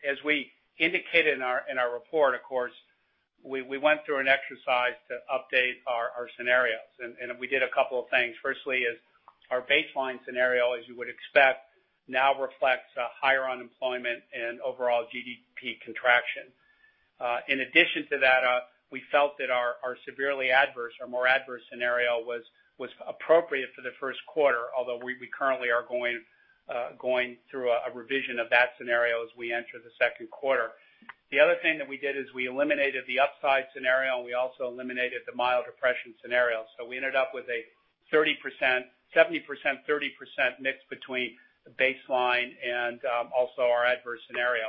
as we indicated in our report, of course, we went through an exercise to update our scenarios. We did a couple of things. Firstly is our baseline scenario, as you would expect, now reflects a higher unemployment and overall GDP contraction. In addition to that, we felt that our severely adverse or more adverse scenario was appropriate for the first quarter, although we currently are going through a revision of that scenario as we enter the second quarter. The other thing that we did is we eliminated the upside scenario, and we also eliminated the mild depression scenario. We ended up with a 70%/30% mix between the baseline and also our adverse scenario.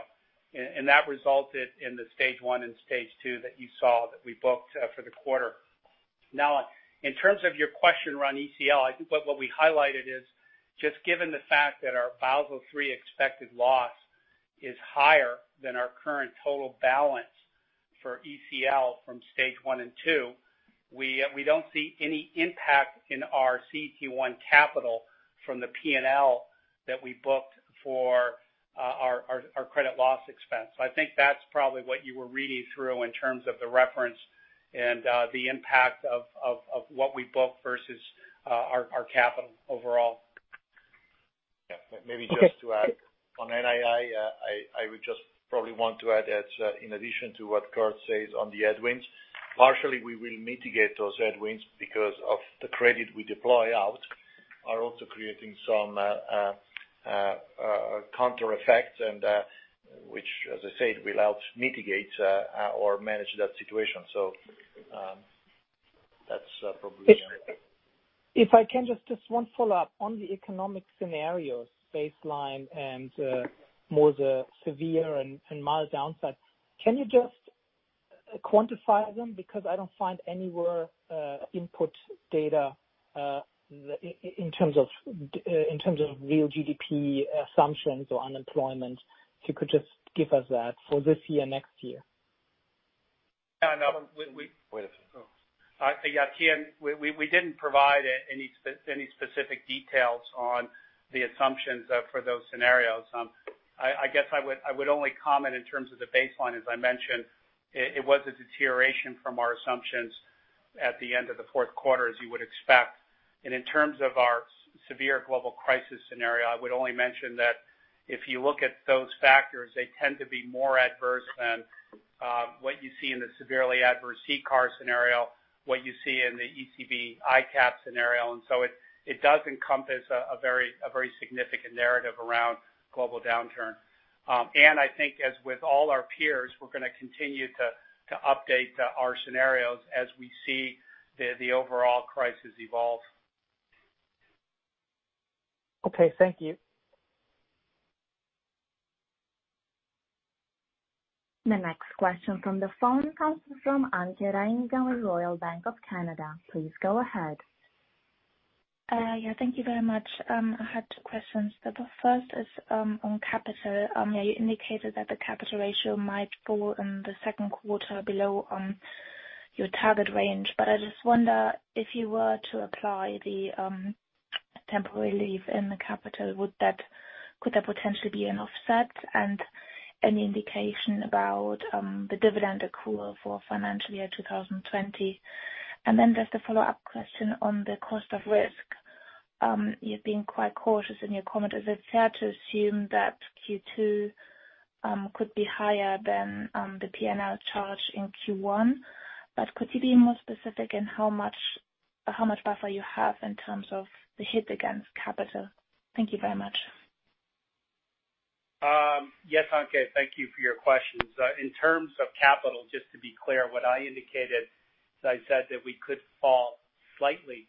That resulted in the Stage 1 and Stage 2 that you saw that we booked for the quarter. In terms of your question around ECL, I think what we highlighted is just given the fact that our CHF 503 expected loss is higher than our current total balance for ECL from Stage 1 and 2, we don't see any impact in our CET1 capital from the P&L that we booked for our credit loss expense. I think that's probably what you were reading through in terms of the reference and the impact of what we book versus our capital overall. Yeah. Maybe just to add on NII, I would just probably want to add that in addition to what Kirt says on the headwinds, partially we will mitigate those headwinds because of the credit we deploy out are also creating some counter effects and which, as I said, will help mitigate or manage that situation. If I can just one follow-up on the economic scenarios, baseline and more the severe and mild downside. Can you just quantify them? Because I don't find anywhere input data in terms of real GDP assumptions or unemployment. If you could just give us that for this year, next year. Yeah, no. Wait a second. Oh. Yeah, Kian, we didn't provide any specific details on the assumptions for those scenarios. I guess I would only comment in terms of the baseline. As I mentioned, it was a deterioration from our assumptions at the end of the fourth quarter, as you would expect. In terms of our severe global crisis scenario, I would only mention that if you look at those factors, they tend to be more adverse than what you see in the severely adverse CCAR scenario, what you see in the ECB ICAAP scenario. It does encompass a very significant narrative around global downturn. I think as with all our peers, we're going to continue to update our scenarios as we see the overall crisis evolve. Okay. Thank you. The next question from the phone comes from Anke Reingen with Royal Bank of Canada. Please go ahead. Yeah. Thank you very much. I had two questions. The first is on capital. You indicated that the capital ratio might fall in the second quarter below your target range. I just wonder if you were to apply the temporary relief in the capital, could there potentially be an offset and any indication about the dividend accrual for financial year 2020? Just a follow-up question on the cost of risk. You've been quite cautious in your comment. Is it fair to assume that Q2 could be higher than the P&L charge in Q1? Could you be more specific in how much buffer you have in terms of the hit against capital? Thank you very much. Yes, Anke. Thank you for your questions. In terms of capital, just to be clear, what I indicated is I said that we could fall slightly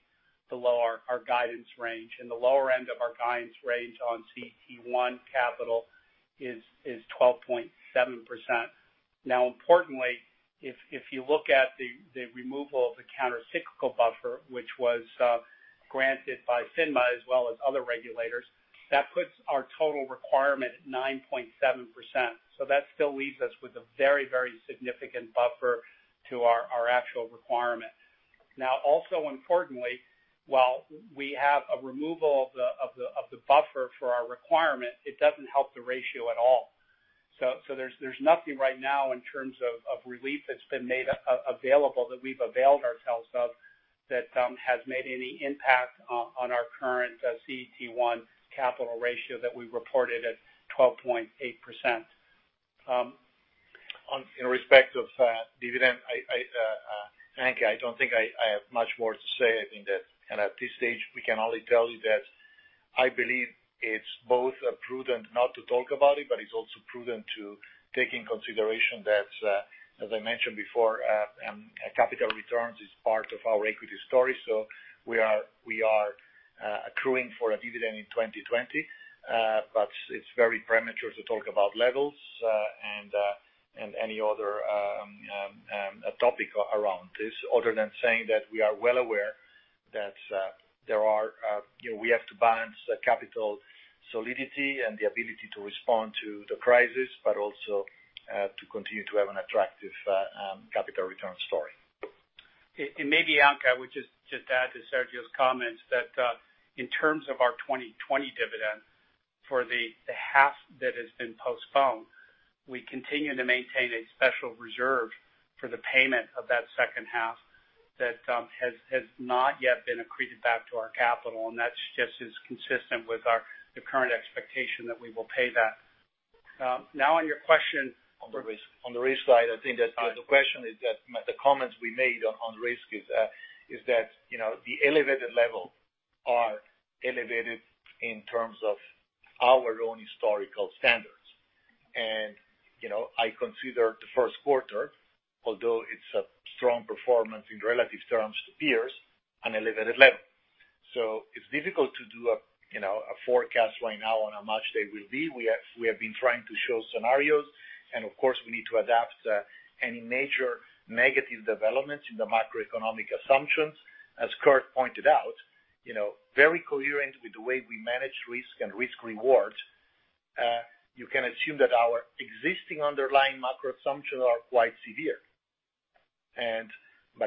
below our guidance range. In the lower end of our guidance range on CET1 capital is 12.7%. Importantly, if you look at the removal of the countercyclical buffer, which was granted by FINMA as well as other regulators, that puts our total requirement at 9.7%. That still leaves us with a very significant buffer to our actual requirement. Also importantly, while we have a removal of the buffer for our requirement, it doesn't help the ratio at all. There's nothing right now in terms of relief that's been made available that we've availed ourselves of that has made any impact on our current CET1 capital ratio that we've reported at 12.8%. In respect of dividend, Anke, I don't think I have much more to say. I think that kind of at this stage, we can only tell you that I believe it's both prudent not to talk about it, but it's also prudent to take in consideration that, as I mentioned before, capital returns is part of our equity story. We are accruing for a dividend in 2020. It's very premature to talk about levels, and any other topic around this other than saying that we are well aware that we have to balance the capital solidity and the ability to respond to the crisis, but also to continue to have an attractive capital return story. Maybe, Anke, I would just add to Sergio's comments that in terms of our 2020 dividend for the half that has been postponed, we continue to maintain a special reserve for the payment of that second half that has not yet been accreted back to our capital. That just is consistent with the current expectation that we will pay that. On your question. On the risk side, I think that the question is that the comments we made on risk is that the elevated level are elevated in terms of our own historical standards. I consider the first quarter, although it's a strong performance in relative terms to peers, an elevated level. It's difficult to do a forecast right now on how much they will be. We have been trying to show scenarios, and of course, we need to adapt any major negative developments in the macroeconomic assumptions. As Kirt pointed out, very coherent with the way we manage risk and risk rewards. You can assume that our existing underlying macro assumptions are quite severe.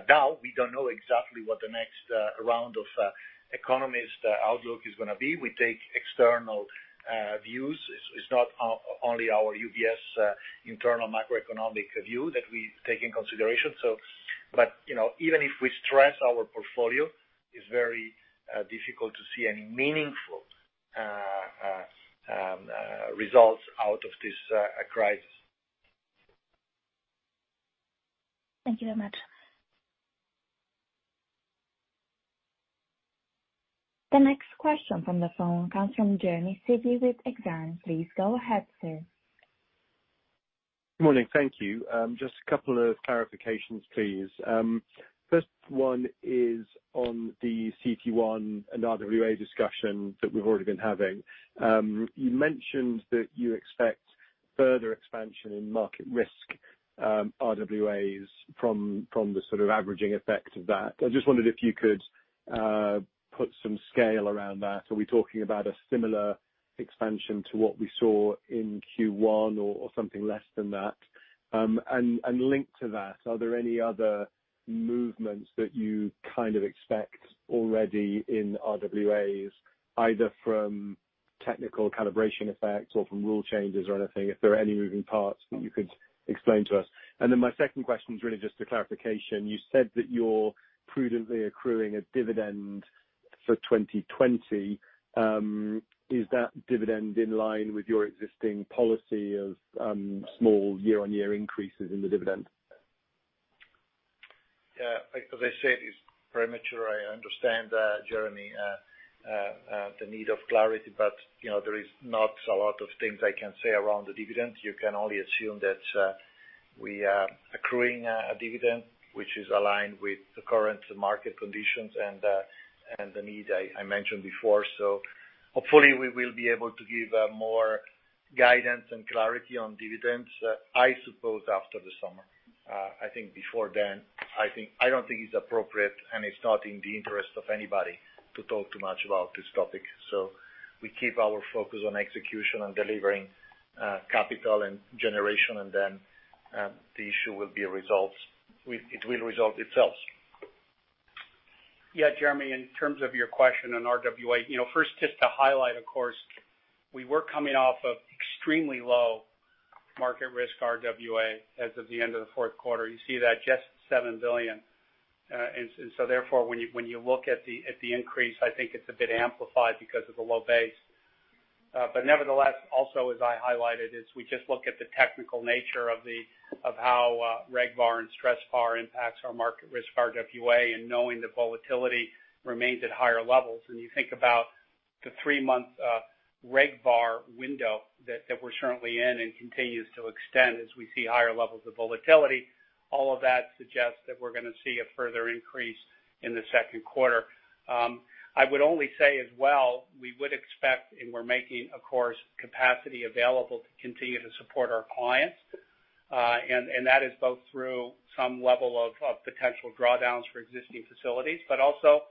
Now we don't know exactly what the next round of economist outlook is going to be. We take external views. It's not only our UBS internal macroeconomic view that we take in consideration. Even if we stress our portfolio, it's very difficult to see any meaningful results out of this crisis. Thank you very much. The next question from the phone comes from Jeremy Sigee with Exane. Please go ahead, sir. Good morning. Thank you. Just a couple of clarifications, please. First one is on the CET1 and RWA discussion that we've already been having. You mentioned that you expect further expansion in market risk, RWAs from the sort of averaging effect of that. I just wondered if you could put some scale around that. Are we talking about a similar expansion to what we saw in Q1 or something less than that? Linked to that, are there any other movements that you kind of expect already in RWAs, either from technical calibration effects or from rule changes or anything, if there are any moving parts that you could explain to us? My second question is really just a clarification. You said that you're prudently accruing a dividend for 2020. Is that dividend in line with your existing policy of small year-on-year increases in the dividend? Yeah. As I said, it's premature. I understand, Jeremy, the need of clarity, but there is not a lot of things I can say around the dividend. You can only assume that we are accruing a dividend which is aligned with the current market conditions and the need I mentioned before. Hopefully we will be able to give more guidance and clarity on dividends, I suppose, after the summer. I think before then, I don't think it's appropriate, and it's not in the interest of anybody to talk too much about this topic. We keep our focus on execution and delivering capital and generation, and then the issue will be results. It will resolve itself. Jeremy, in terms of your question on RWA, first just to highlight, of course, we were coming off of extremely low market risk RWA as of the end of the fourth quarter. You see that just 7 billion. Therefore, when you look at the increase, I think it's a bit amplified because of the low base. Nevertheless, also as I highlighted, is we just look at the technical nature of how RegVaR and StressVaR impacts our market risk RWA, and knowing the volatility remains at higher levels. You think about the three-month RegVaR window that we're currently in and continues to extend as we see higher levels of volatility. All of that suggests that we're going to see a further increase in the second quarter. I would only say as well, we would expect, and we're making, of course, capacity available to continue to support our clients. That is both through some level of potential drawdowns for existing facilities, but also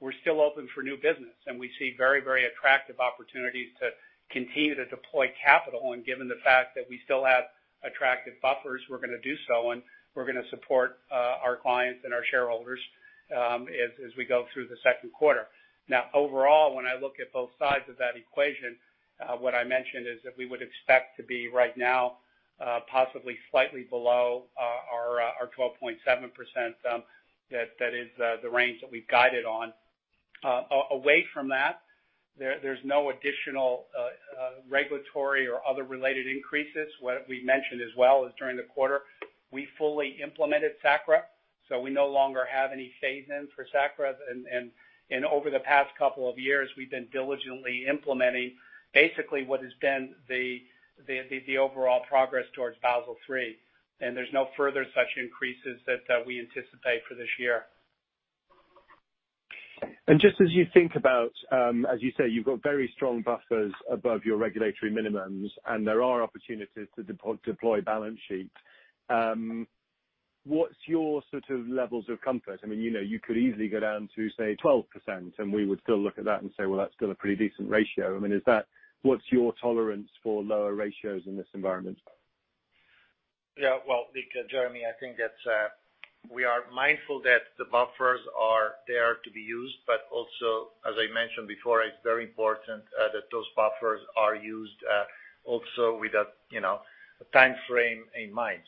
we're still open for new business, and we see very attractive opportunities to continue to deploy capital. Given the fact that we still have attractive buffers, we're going to do so, and we're going to support our clients and our shareholders as we go through the second quarter. Overall, when I look at both sides of that equation, what I mentioned is that we would expect to be right now possibly slightly below our 12.7%, that is the range that we've guided on. Away from that, there's no additional regulatory or other related increases. What we mentioned as well is during the quarter, we fully implemented SA-CCR, so we no longer have any phase-in for SA-CCR. Over the past couple of years, we've been diligently implementing basically what has been the overall progress towards Basel III, and there's no further such increases that we anticipate for this year. Just as you think about, as you say, you've got very strong buffers above your regulatory minimums, and there are opportunities to deploy balance sheet. What's your sort of levels of comfort? You could easily go down to, say, 12%, and we would still look at that and say, "Well, that's still a pretty decent ratio." What's your tolerance for lower ratios in this environment? Well, Jeremy, I think that we are mindful that the buffers are there to be used, but also, as I mentioned before, it's very important that those buffers are used also with a timeframe in mind.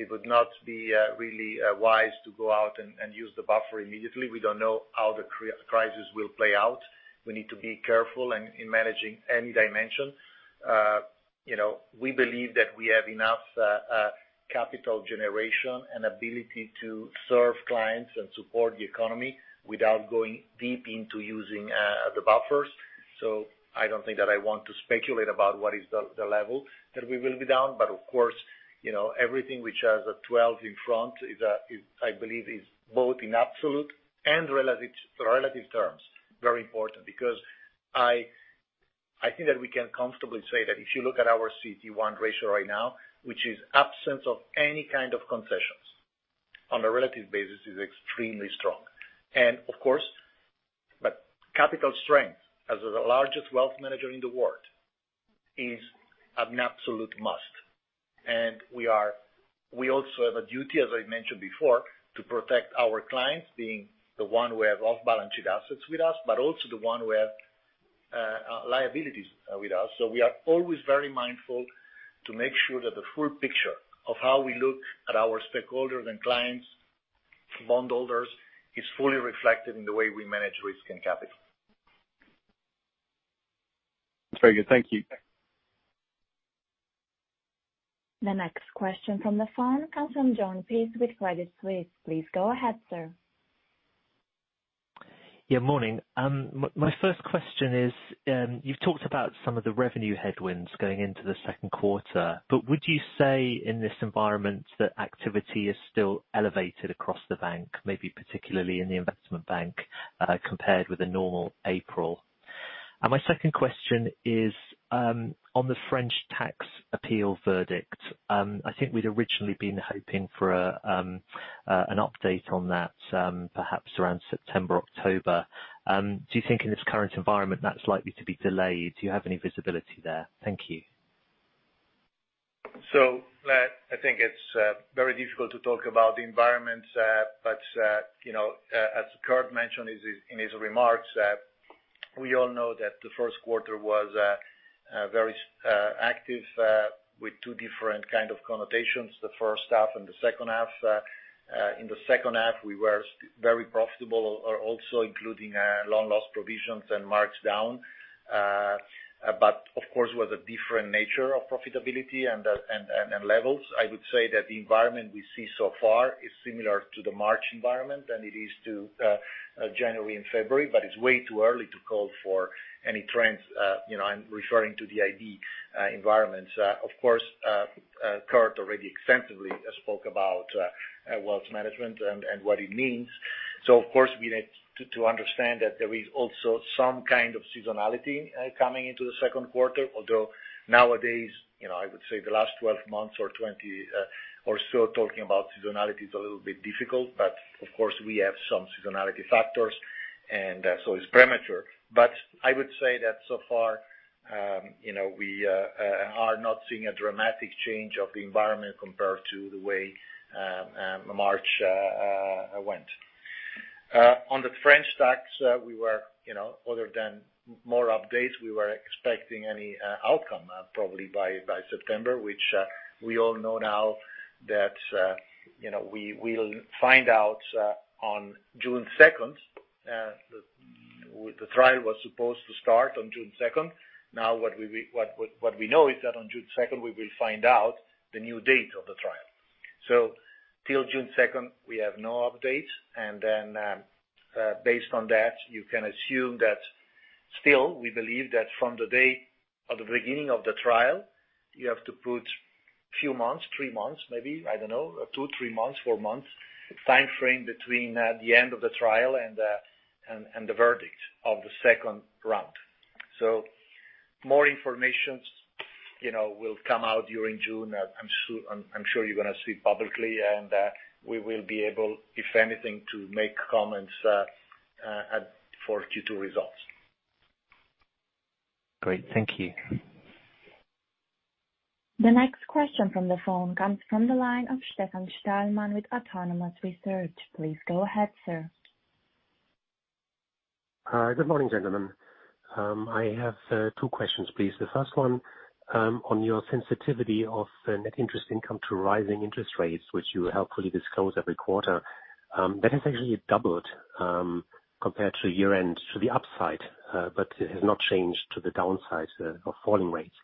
It would not be really wise to go out and use the buffer immediately. We don't know how the crisis will play out. We need to be careful in managing any dimension. We believe that we have enough capital generation and ability to serve clients and support the economy without going deep into using the buffers. I don't think that I want to speculate about what is the level that we will be down, but of course, everything which has a 12 in front is, I believe, is both in absolute and relative terms, very important. I think that we can comfortably say that if you look at our CET1 ratio right now, which is absence of any kind of concessions, on a relative basis, is extremely strong. Of course, capital strength as the largest wealth manager in the world is an absolute must. We also have a duty, as I mentioned before, to protect our clients, being the ones who have off-balance sheet assets with us, but also the ones who have liabilities with us. We are always very mindful to make sure that the full picture of how we look at our stakeholders and clients, bondholders, is fully reflected in the way we manage risk and capital. That's very good. Thank you. The next question from the phone comes from Jon Peace with Credit Suisse. Please go ahead, sir. Morning. My first question is, you've talked about some of the revenue headwinds going into the second quarter, would you say in this environment that activity is still elevated across the bank, maybe particularly in the Investment Bank, compared with a normal April? My second question is, on the French tax appeal verdict, I think we'd originally been hoping for an update on that, perhaps around September, October. Do you think in this current environment, that's likely to be delayed? Do you have any visibility there? Thank you. I think it's very difficult to talk about the environment, but as Kirt mentioned in his remarks, we all know that the first quarter was very active with two different kind of connotations, the first half and the second half. In the second half, we were very profitable, also including loan loss provisions and markdown. Of course, it was a different nature of profitability and levels. I would say that the environment we see so far is similar to the March environment than it is to January and February, but it's way too early to call for any trends. I'm referring to the IB environment. Of course, Kirt already extensively spoke about wealth management and what it means. Of course, we need to understand that there is also some kind of seasonality coming into the second quarter. Although nowadays, I would say the last 12 months or 20 or so, talking about seasonality is a little bit difficult. Of course, we have some seasonality factors, and so it's premature. I would say that so far, we are not seeing a dramatic change of the environment compared to the way March went. On the French tax, other than more updates, we were expecting any outcome probably by September, which we all know now that we will find out on June 2nd. The trial was supposed to start on June 2nd. What we know is that on June 2nd, we will find out the new date of the trial. Till June 2nd, we have no update, and then based on that, you can assume that still, we believe that from the day of the beginning of the trial, you have to put few months, three months, maybe, I don't know, two, three months, four months timeframe between the end of the trial and the verdict of the second round. More informations will come out during June. I'm sure you're going to see publicly, and we will be able, if anything, to make comments as for Q2 results. Great. Thank you. The next question from the phone comes from the line of Stefan Stalmann with Autonomous Research. Please go ahead, sir. Hi. Good morning, gentlemen. I have two questions, please. The first one, on your sensitivity of net interest income to rising interest rates, which you helpfully disclose every quarter. That has actually doubled, compared to year-end to the upside, but it has not changed to the downside of falling rates.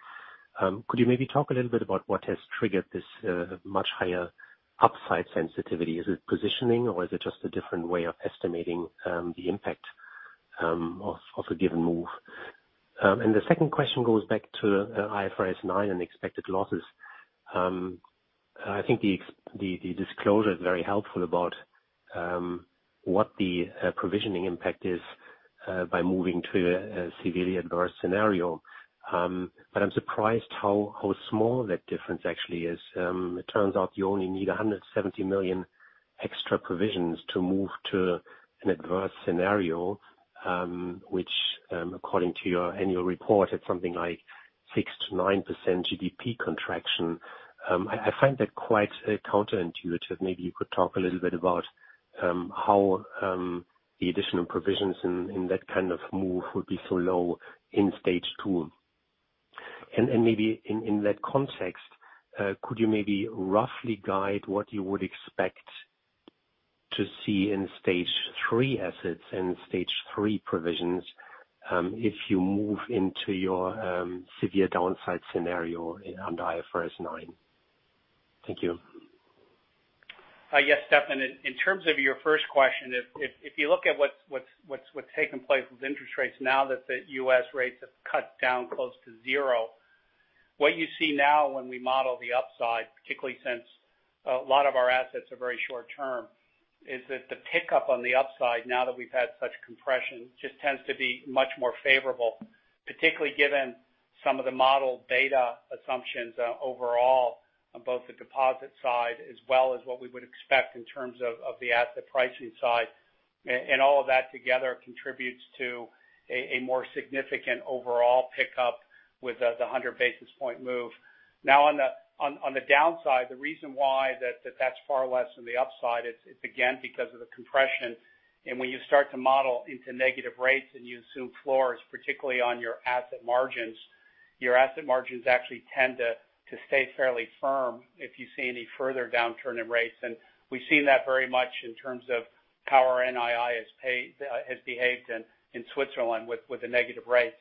Could you maybe talk a little bit about what has triggered this much higher upside sensitivity? Is it positioning or is it just a different way of estimating the impact of a given move? The second question goes back to IFRS 9 and expected losses. I think the disclosure is very helpful about what the provisioning impact is by moving to a severely adverse scenario. I'm surprised how small that difference actually is. It turns out you only need 170 million extra provisions to move to an adverse scenario, which according to your annual report, it's something like 6%-9% GDP contraction. I find that quite counterintuitive. Maybe you could talk a little bit about how the additional provisions in that kind of move would be so low Stage 2. maybe in that context, could you maybe roughly guide what you would expect to see in Stage 3 assets and Stage 3 provisions if you move into your severe downside scenario under IFRS 9? Thank you. Yes, Stefan. In terms of your first question, if you look at what's taken place with interest rates now that the U.S. rates have cut down close to zero, what you see now when we model the upside, particularly since a lot of our assets are very short-term, is that the pickup on the upside, now that we've had such compression, just tends to be much more favorable. Particularly given some of the model beta assumptions overall on both the deposit side as well as what we would expect in terms of the asset pricing side. All of that together contributes to a more significant overall pickup with the 100-basis point move. Now on the downside, the reason why that's far less than the upside is again because of the compression. When you start to model into negative rates and you assume floors, particularly on your asset margins, your asset margins actually tend to stay fairly firm if you see any further downturn in rates. We've seen that very much in terms of how our NII has behaved in Switzerland with the negative rates.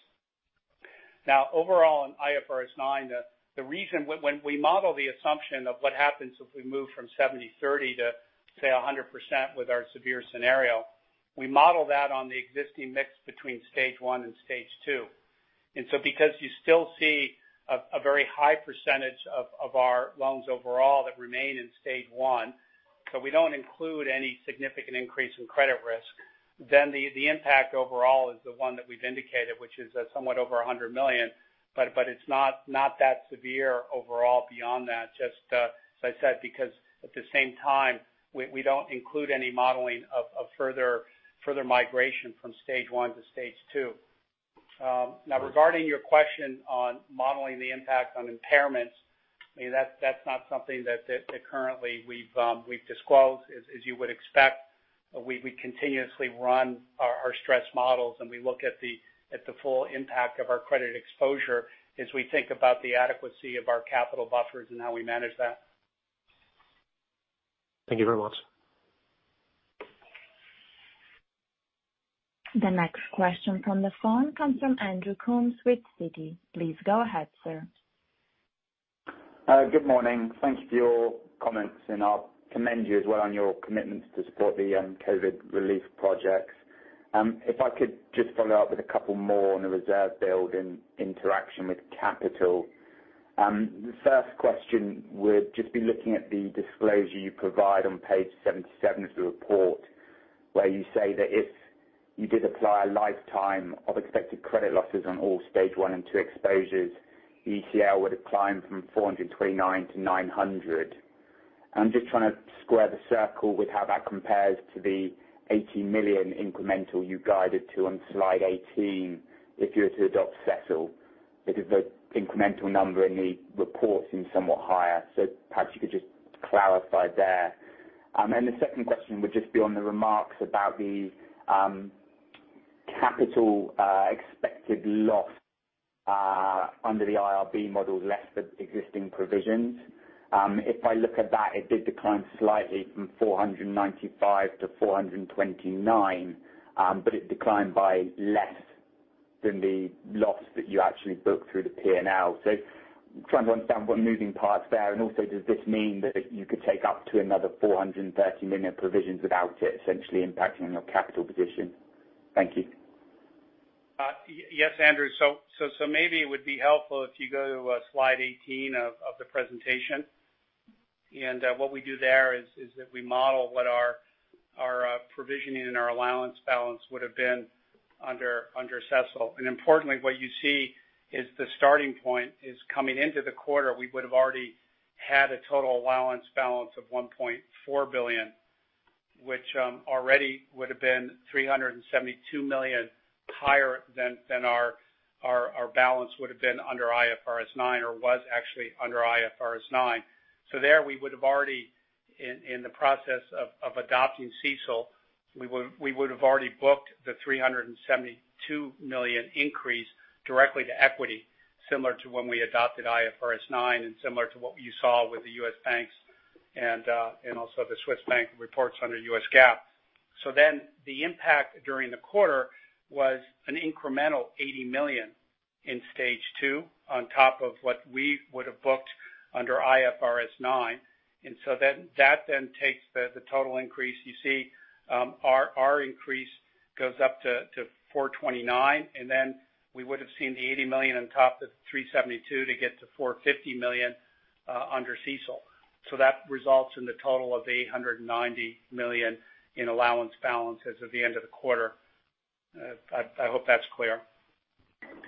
Overall in IFRS 9, when we model the assumption of what happens if we move from 70/30 to, say, 100% with our severe scenario, we model that on the existing mix between Stage 1 and Stage 2. because you still see a very high percentage of our loans overall that remain in Stage 1, so we don't include any significant increase in credit risk, the impact overall is the one that we've indicated, which is somewhat over 100 million. It's not that severe overall beyond that just as I said because at the same time, we don't include any modeling of further migration from Stage 1 to Stage 2. regarding your question on modeling the impact on impairments, that's not something that currently we've disclosed. As you would expect, we continuously run our stress models, and we look at the full impact of our credit exposure as we think about the adequacy of our capital buffers and how we manage that. Thank you very much. The next question from the phone comes from Andrew Coombs with Citi. Please go ahead, sir. Good morning. Thank you for your comments, and I'll commend you as well on your commitments to support the COVID-19 relief projects. If I could just follow up with a couple more on the reserve build in interaction with capital. The first question would just be looking at the disclosure you provide on page 77 of the report where you say that if you did apply a lifetime of expected credit losses on all Stage 1 and 2 exposures, ECL would have climbed from 429 to 900. I'm just trying to square the circle with how that compares to the 80 million incremental you guided to on slide 18 if you were to adopt CECL because the incremental number in the report seems somewhat higher. Perhaps you could just clarify there. Then the second question would just be on the remarks about the capital expected loss under the IRB model less the existing provisions. If I look at that, it did decline slightly from 495 to 429, but it declined by less than the loss that you actually booked through the P&L. I'm trying to understand what moving parts there. Also does this mean that you could take up to another 430 million in provisions without it essentially impacting your capital position? Thank you. Yes, Andrew. Maybe it would be helpful if you go to slide 18 of the presentation. What we do there is that we model what our provisioning and our allowance balance would've been under CECL. Importantly what you see is the starting point is coming into the quarter, we would've already had a total allowance balance of 1.4 billion, which already would've been 372 million higher than our balance would've been under IFRS 9 or was actually under IFRS 9. There we would've already in the process of adopting CECL, we would've already booked the 372 million increase directly to equity, similar to when we adopted IFRS 9 and similar to what you saw with the U.S. banks and also the Swiss bank reports under U.S. GAAP. The impact during the quarter was an incremental 80 million Stage 2 on top of what we would've booked under IFRS 9. That then takes the total increase. You see our increase goes up to 429, and then we would've seen the 80 million on top of the 372 to get to 450 million under CECL. That results in the total of 890 million in allowance balance as of the end of the quarter. I hope that's clear.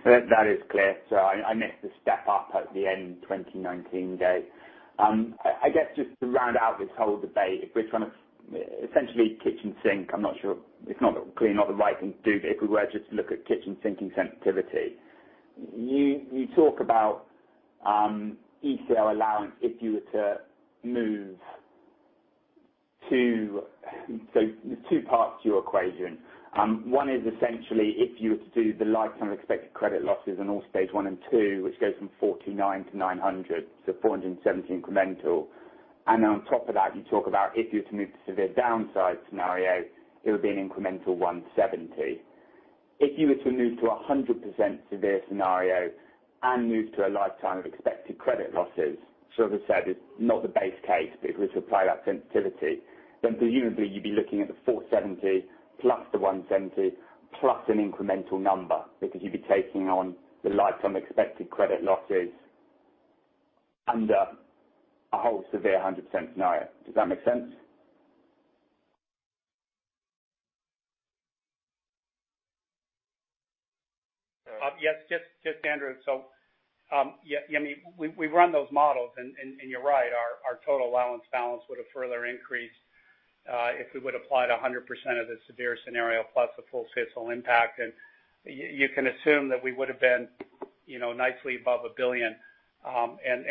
That is clear. I missed the step up at the end of 2019 date. I guess just to round out this whole debate, if we're trying to essentially kitchen sink, I'm not sure it's not clearly not the right thing to do. If we were just to look at kitchen sinking sensitivity, you talk about ECL allowance if you were to move to. There's two parts to your equation. One is essentially if you were to do the lifetime expected credit losses on all Stage 1 and 2, which goes from 429 to 900, 470 incremental. On top of that, you talk about if you were to move to severe downside scenario, it would be an incremental 170. If you were to move to 100% severe scenario and move to a lifetime of expected credit losses. As I said, it's not the base case. If we supply that sensitivity, presumably you'd be looking at the 470 plus the 170, plus an incremental number, because you'd be taking on the lifetime expected credit losses under a whole severe 100% scenario. Does that make sense? Yes. Just Andrew. We run those models, and you're right, our total allowance balance would have further increased if we would apply to 100% of the severe scenario plus the full CECL impact. You can assume that we would have been nicely above 1 billion.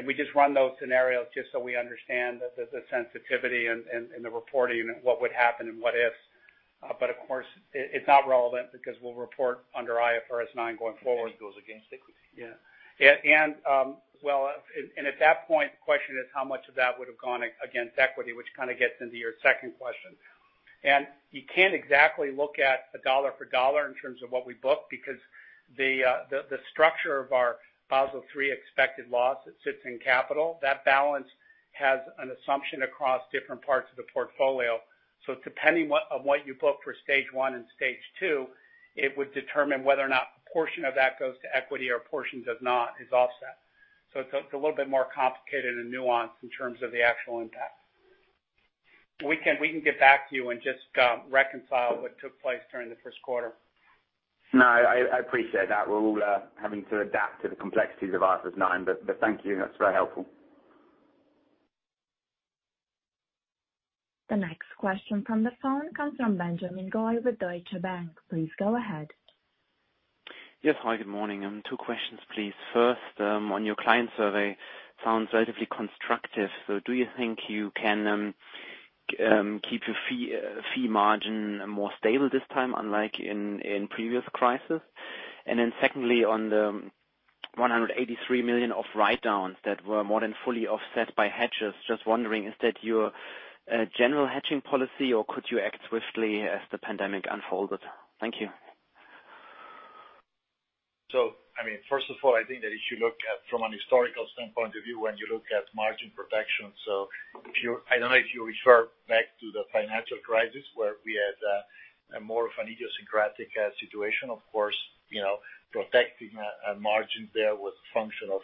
We just run those scenarios just so we understand the sensitivity and the reporting and what would happen and what if. Of course, it's not relevant because we'll report under IFRS 9 going forward. It goes against equity. Yeah. At that point, the question is how much of that would have gone against equity, which kind of gets into your second question. You can't exactly look at a dollar for dollar in terms of what we book, because the structure of our Basel III expected loss that sits in capital, that balance has an assumption across different parts of the portfolio. Depending on what you book for Stage 1 Stage 2, it would determine whether or not a portion of that goes to equity or a portion does not, is offset. It's a little bit more complicated and nuanced in terms of the actual impact. We can get back to you and just reconcile what took place during the first quarter. No, I appreciate that. We're all having to adapt to the complexities of IFRS 9, but thank you. That's very helpful. The next question from the phone comes from Benjamin Goy with Deutsche Bank. Please go ahead. Yes. Hi, good morning. Two questions, please. First, on your client survey, sounds relatively constructive, do you think you can keep your fee margin more stable this time unlike in previous crisis? Secondly, on the 183 million of write-downs that were more than fully offset by hedges, just wondering, is that your general hedging policy, or could you act swiftly as the pandemic unfolded? Thank you. First of all, I think that if you look at from an historical standpoint of view, when you look at margin protection. I don't know if you refer back to the financial crisis where we had more of an idiosyncratic situation. Of course, protecting a margin there was a function of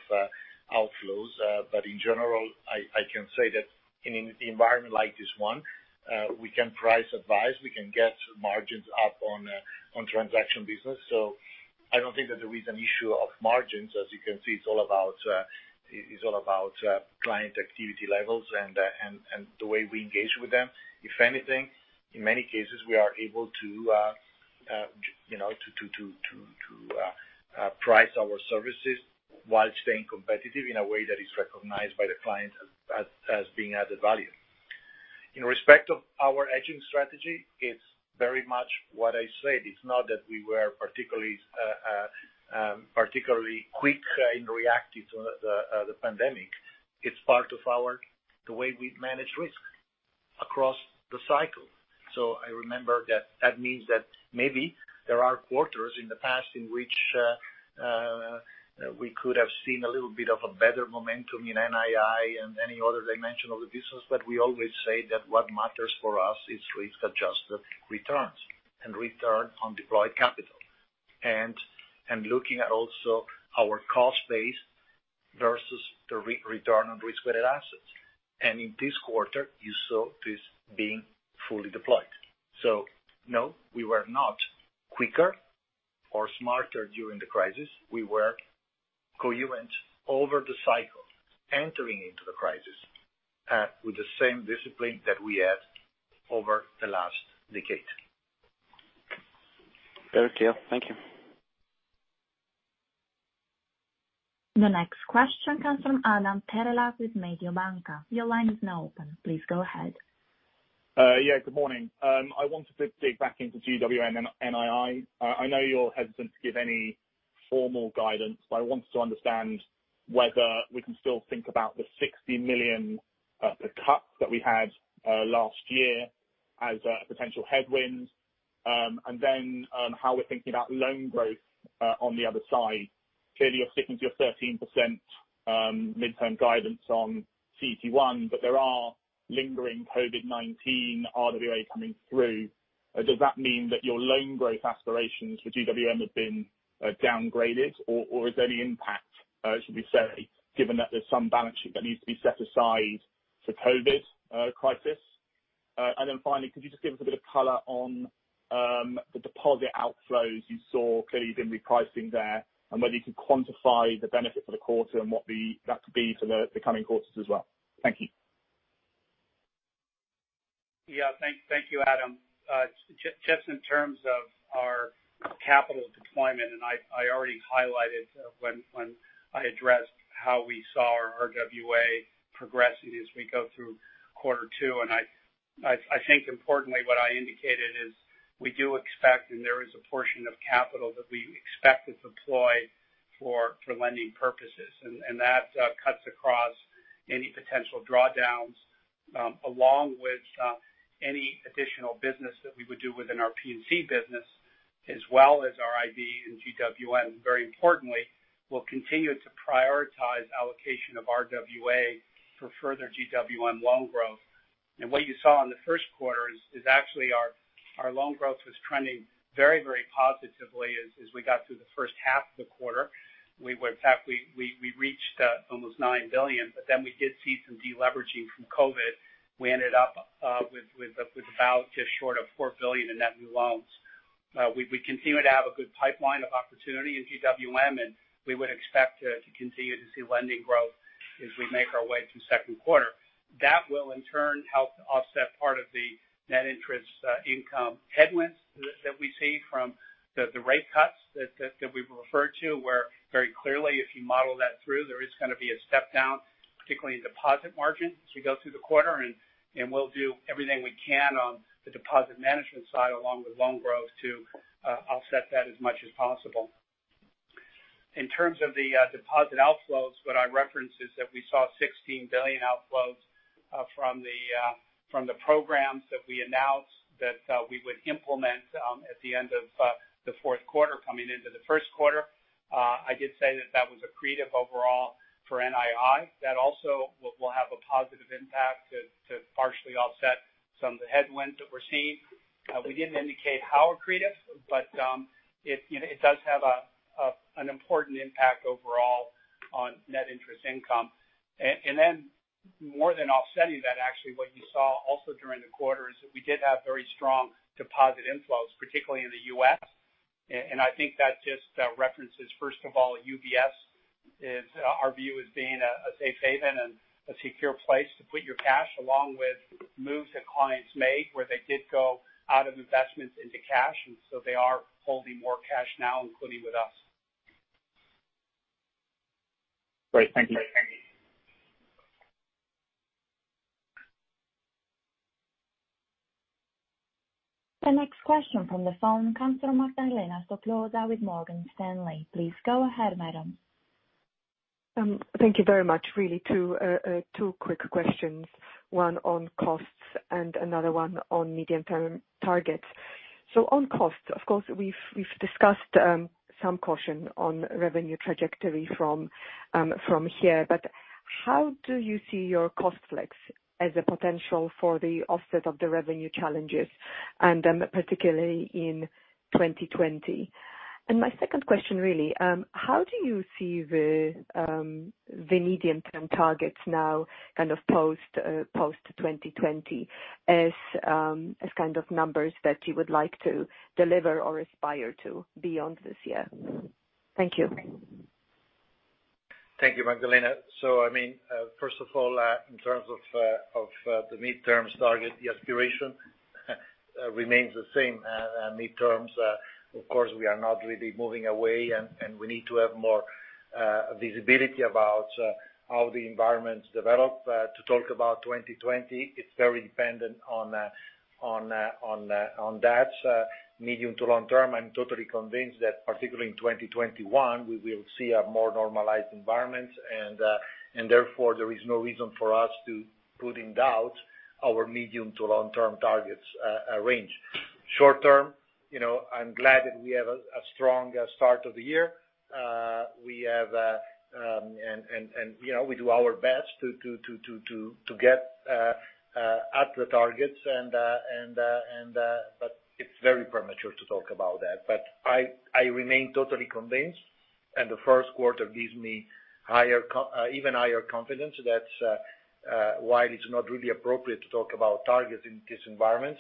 outflows. In general, I can say that in an environment like this one, we can price advise, we can get margins up on transaction business. I don't think that there is an issue of margins. As you can see, it's all about client activity levels and the way we engage with them. If anything, in many cases, we are able to price our services while staying competitive in a way that is recognized by the client as being added value. In respect of our hedging strategy, it's very much what I said. It's not that we were particularly quick in reacting to the pandemic. It's part of the way we manage risk across the cycle. I remember that means that maybe there are quarters in the past in which we could have seen a little bit of a better momentum in NII and any other dimension of the business. We always say that what matters for us is risk-adjusted returns and return on deployed capital. Looking at also our cost base versus the return on risk-weighted assets. In this quarter, you saw this being fully deployed. No, we were not quicker or smarter during the crisis. We were coherent over the cycle, entering into the crisis with the same discipline that we had over the last decade. Very clear. Thank you. The next question comes from Adam Terelak with Mediobanca. Your line is now open. Please go ahead. Yeah. Good morning. I wanted to dig back into GWM and NII. I know you're hesitant to give any formal guidance. I wanted to understand whether we can still think about the 60 million cuts that we had last year as a potential headwind. How we're thinking about loan growth on the other side. Clearly, you're sticking to your 13% midterm guidance on CET1. There are lingering COVID-19 RWA coming through. Does that mean that your loan growth aspirations for GWM have been downgraded or is there any impact, should we say, given that there's some balance sheet that needs to be set aside for COVID crisis? Finally, could you just give us a bit of color on the deposit outflows you saw, clearly you've been repricing there, and whether you could quantify the benefit for the quarter and what that could be for the coming quarters as well. Thank you. Yeah. Thank you, Adam. Just in terms of our capital deployment, I already highlighted when I addressed how we saw our RWA progressing as we go through quarter two. I think importantly what I indicated is we do expect, there is a portion of capital that we expect to deploy for lending purposes. That cuts across any potential drawdowns, along with any additional business that we would do within our P&C business, as well as our IB and GWM. Very importantly, we'll continue to prioritize allocation of RWA for further GWM loan growth. What you saw in the first quarter is actually our loan growth was trending very positively as we got through the first half of the quarter. In fact, we reached almost 9 billion, we did see some de-leveraging from COVID. We ended up with about just short of 4 billion in net new loans. We continue to have a good pipeline of opportunity in GWM, and we would expect to continue to see lending growth as we make our way through second quarter. That will in turn help to offset part of the net interest income headwinds that we see from the rate cuts that we've referred to, where very clearly, if you model that through, there is going to be a step down, particularly in deposit margin, as we go through the quarter and we'll do everything we can on the deposit management side, along with loan growth to offset that as much as possible. In terms of the deposit outflows, what I referenced is that we saw 16 billion outflows from the programs that we announced that we would implement at the end of the fourth quarter coming into the first quarter. I did say that that was accretive overall for NII. That also will have a positive impact to partially offset some of the headwinds that we're seeing. We didn't indicate how accretive, but it does have an important impact overall on net interest income. More than offsetting that, actually, what you saw also during the quarter is that we did have very strong deposit inflows, particularly in the U.S. I think that just references, first of all, UBS, our view as being a safe haven and a secure place to put your cash along with moves that clients made where they did go out of investments into cash. They are holding more cash now, including with us. Great. Thank you. The next question from the phone comes from Magdalena Stoklosa with Morgan Stanley. Please go ahead, madam. Thank you very much. Really two quick questions, one on costs and another one on medium-term targets. On costs, of course, we've discussed some caution on revenue trajectory from here, but how do you see your cost flex as a potential for the offset of the revenue challenges, and particularly in 2020? My second question really, how do you see the medium-term targets now kind of post-2020 as kind of numbers that you would like to deliver or aspire to beyond this year? Thank you. Thank you, Magdalena. First of all, in terms of the midterm target, the aspiration remains the same. Midterms, of course, we are not really moving away, and we need to have more visibility about how the environments develop. To talk about 2020, it's very dependent on that medium to long term. I'm totally convinced that particularly in 2021, we will see a more normalized environment, and therefore there is no reason for us to put in doubt our medium-to-long-term targets range. Short-term, I'm glad that we have a strong start of the year. We do our best to get at the targets, but it's very premature to talk about that. I remain totally convinced, and the first quarter gives me even higher confidence that while it's not really appropriate to talk about targets in this environment,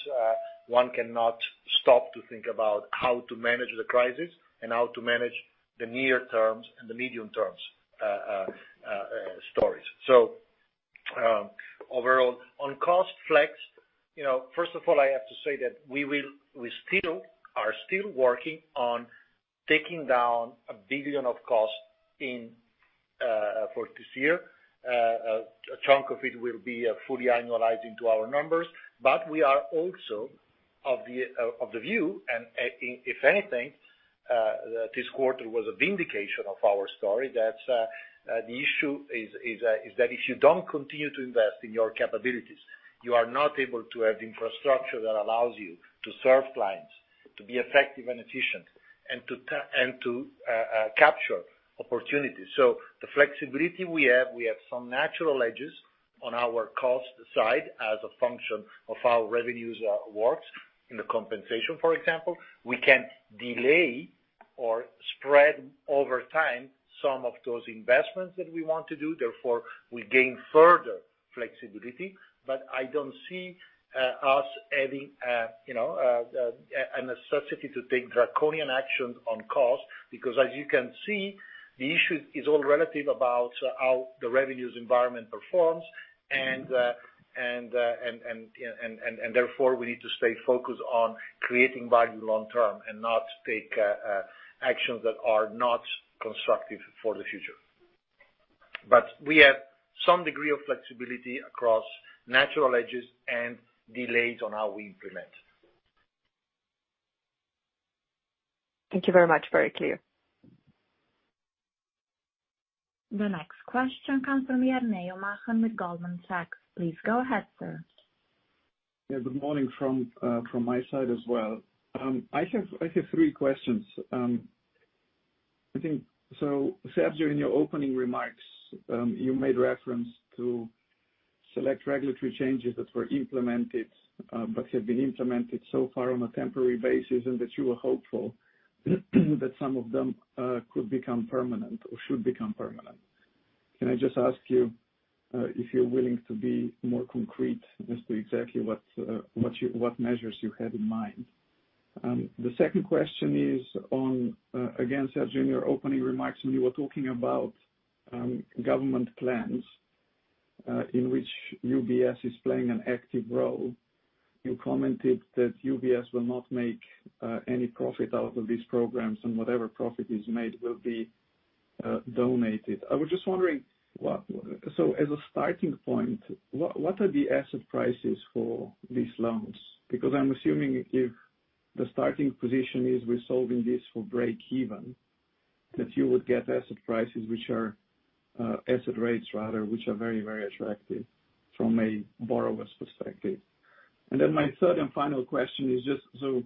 one cannot stop to think about how to manage the crisis and how to manage the near terms and the medium terms stories. Overall on cost flex, first of all, I have to say that we are still working on taking down 1 billion of cost for this year. A chunk of it will be fully annualizing to our numbers, but we are also of the view, and if anything, this quarter was a vindication of our story that the issue is that if you don't continue to invest in your capabilities, you are not able to have infrastructure that allows you to serve clients, to be effective and efficient, and to capture opportunities. The flexibility we have, we have some natural hedges on our cost side as a function of how revenues works in the compensation, for example. We can delay. Spread over time some of those investments that we want to do, therefore we gain further flexibility. I don't see us adding a necessity to take draconian actions on cost, because as you can see, the issue is all relative about how the revenues environment performs, and therefore, we need to stay focused on creating value long-term and not take actions that are not constructive for the future. We have some degree of flexibility across natural edges and delays on how we implement. Thank you very much. Very clear. The next question comes from Jernej Omahen with Goldman Sachs. Please go ahead, sir. Good morning from my side as well. I have three questions. I think, Sergio, in your opening remarks, you made reference to select regulatory changes that were implemented, but have been implemented so far on a temporary basis, and that you were hopeful that some of them could become permanent or should become permanent. Can I just ask you, if you're willing to be more concrete as to exactly what measures you had in mind? The second question is on, again, Sergio, in your opening remarks when you were talking about government plans, in which UBS is playing an active role. You commented that UBS will not make any profit out of these programs, and whatever profit is made will be donated. I was just wondering, as a starting point, what are the asset prices for these loans? Because I'm assuming if the starting position is we're solving this for breakeven, that you would get asset prices, asset rates rather, which are very attractive from a borrower's perspective. My third and final question is just so,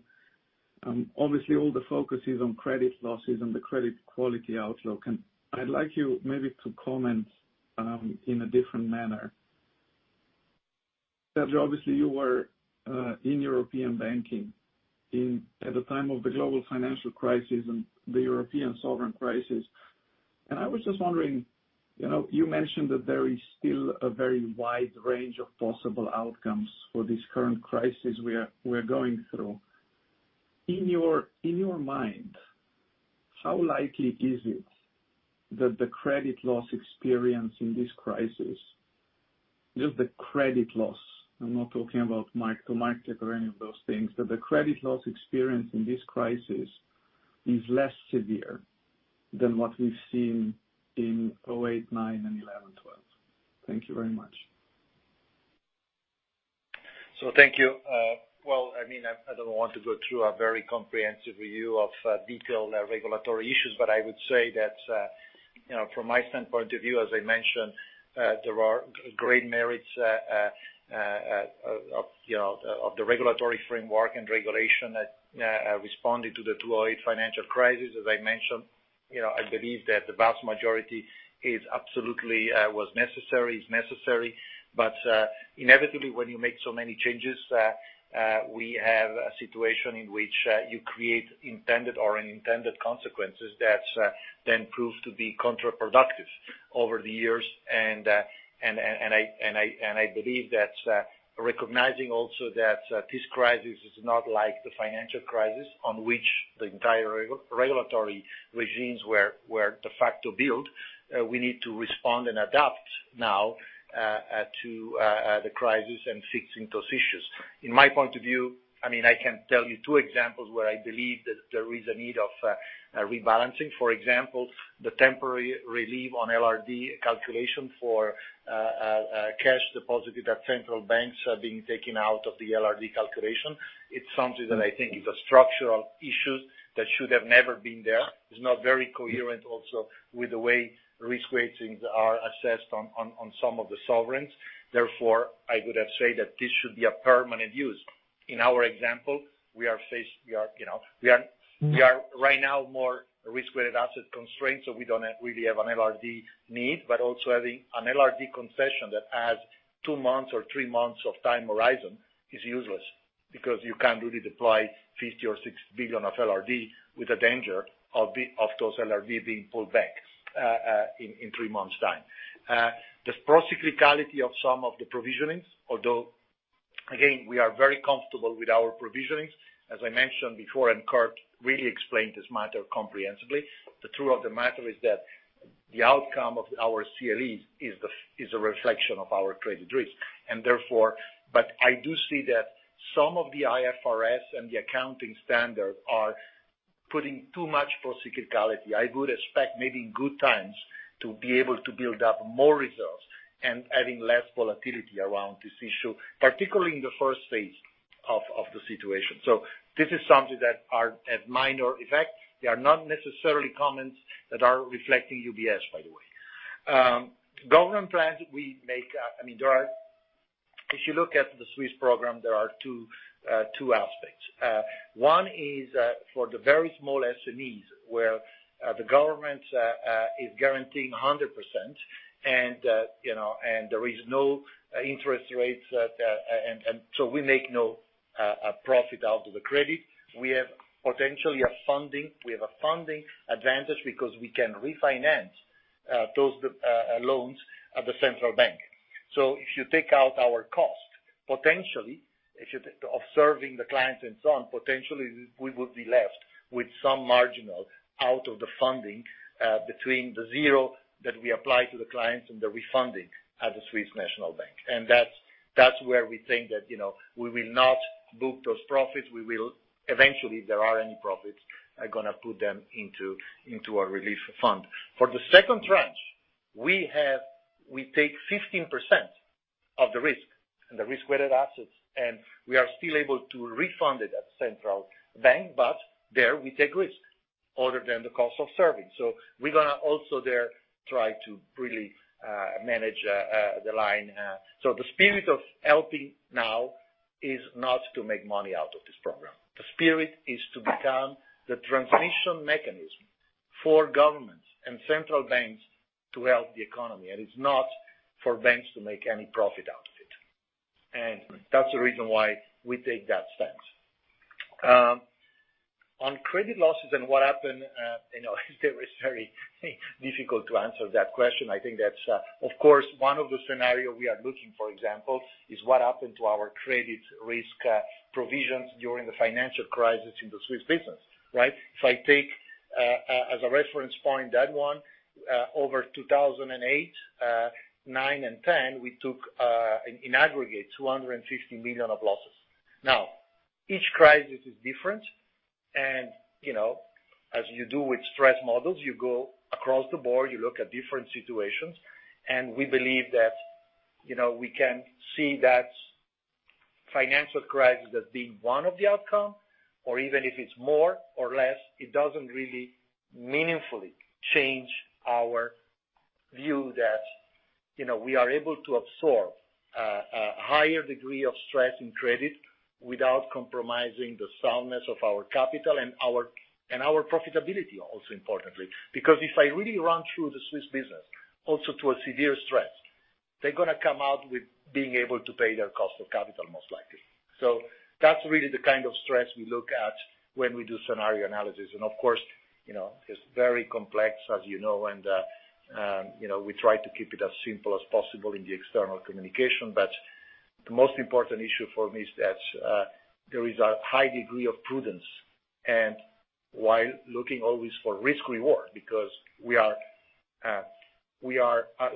obviously all the focus is on credit losses and the credit quality outlook, and I'd like you maybe to comment in a different manner. Sergio, obviously, you were in European banking at the time of the global financial crisis and the European sovereign crisis. I was just wondering, you mentioned that there is still a very wide range of possible outcomes for this current crisis we're going through. In your mind, how likely is it that the credit loss experience in this crisis, just the credit loss, I'm not talking about micro-market or any of those things, that the credit loss experience in this crisis is less severe than what we've seen in 2008, 2009, and 2011, 2012? Thank you very much. Thank you. I don't want to go through a very comprehensive review of detailed regulatory issues, but I would say that, from my standpoint of view, as I mentioned, there are great merits of the regulatory framework and regulation that responded to the 2008 financial crisis, as I mentioned. I believe that the vast majority is absolutely was necessary. Inevitably, when you make so many changes, we have a situation in which you create intended or unintended consequences that then prove to be counterproductive over the years, and I believe that recognizing also that this crisis is not like the financial crisis on which the entire regulatory regimes were de facto built. We need to respond and adapt now to the crisis and fixing those issues. In my point of view, I can tell you two examples where I believe that there is a need of rebalancing. For example, the temporary relief on LRD calculation for cash deposited at central banks are being taken out of the LRD calculation. It's something that I think is a structural issue that should have never been there. It's not very coherent also with the way risk weightings are assessed on some of the sovereigns. I would say that this should be a permanent use. In our example, we are right now more risk-weighted asset constrained, so we don't really have an LRD need, but also having an LRD concession that has two months or three months of time horizon is useless, because you can't really deploy 50 or 60 billion of LRD with the danger of those LRD being pulled back in three months time. The procyclicality of some of the provisionings, although, again, we are very comfortable with our provisionings, as I mentioned before, and Kirt really explained this matter comprehensively. The truth of the matter is that the outcome of our CLE is a reflection of our credit risk. Therefore, but I do see that some of the IFRS and the accounting standards are putting too much procyclicality. I would expect maybe in good times to be able to build up more reserves and having less volatility around this issue, particularly in the first phase of the situation. This is something that are at minor effect. They are not necessarily comments that are reflecting UBS, by the way. Government plans, if you look at the Swiss program, there are two aspects. One is, for the very small SMEs, where the government is guaranteeing 100% and there is no interest rates. We make no profit out of the credit. We have potentially a funding advantage because we can refinance those loans at the central bank. If you take out our cost of serving the clients and so on, potentially we would be left with some marginal out of the funding between the zero that we apply to the clients and the refunding at the Swiss National Bank. That's where we think that we will not book those profits. We will eventually, if there are any profits, are going to put them into our relief fund. For the second tranche, we take 15% of the risk and the risk-weighted assets, and we are still able to refund it at the central bank, but there we take risk other than the cost of serving. We're going to also there try to really manage the line. The spirit of helping now is not to make money out of this program. The spirit is to become the transmission mechanism for governments and central banks to help the economy, and it's not for banks to make any profit out of it. That's the reason why we take that stance. On credit losses and what happened, it is very difficult to answer that question. Of course, one of the scenario we are looking, for example, is what happened to our credit risk provisions during the financial crisis in the Swiss business. Right? If I take, as a reference point, that one, over 2008, 2009, and 2010, we took, in aggregate, 250 million of losses. Each crisis is different. As you do with stress models, you go across the board, you look at different situations, and we believe that we can see that financial crisis as being one of the outcome, or even if it's more or less, it doesn't really meaningfully change our view that we are able to absorb a higher degree of stress in credit without compromising the soundness of our capital and our profitability also importantly. If I really run through the Swiss business, also to a severe stress, they're going to come out with being able to pay their cost of capital, most likely. That's really the kind of stress we look at when we do scenario analysis. Of course, it's very complex as you know, and we try to keep it as simple as possible in the external communication. The most important issue for me is that there is a high degree of prudence. While looking always for risk reward, because as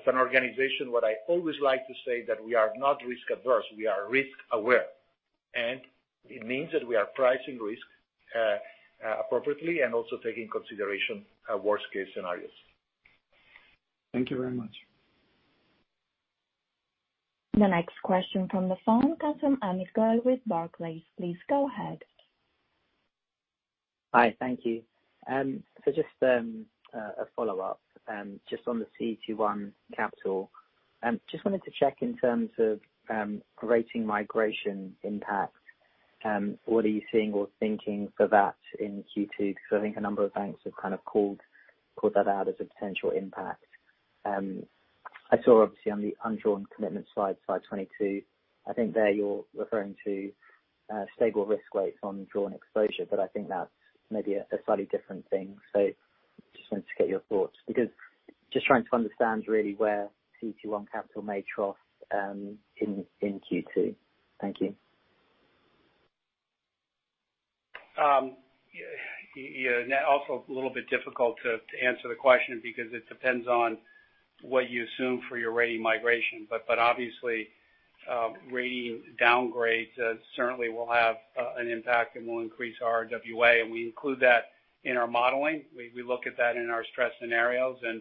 an organization, what I always like to say that we are not risk averse, we are risk aware. It means that we are pricing risk appropriately and also taking consideration of worst case scenarios. Thank you very much. The next question from the phone comes from Amit Goel with Barclays. Please go ahead. Hi, thank you. Just a follow-up, just on the CET1 capital. Just wanted to check in terms of rating migration impact, what are you seeing or thinking for that in Q2? I think a number of banks have kind of called that out as a potential impact. I saw obviously on the undrawn commitment slide 22, I think there you're referring to stable risk weights on drawn exposure, but I think that's maybe a slightly different thing. Just wanted to get your thoughts because just trying to understand really where CET1 capital may trough in Q2. Thank you. Yeah. Also a little bit difficult to answer the question because it depends on what you assume for your rating migration. Obviously, rating downgrades certainly will have an impact and will increase our RWA, and we include that in our modeling. We look at that in our stress scenarios, and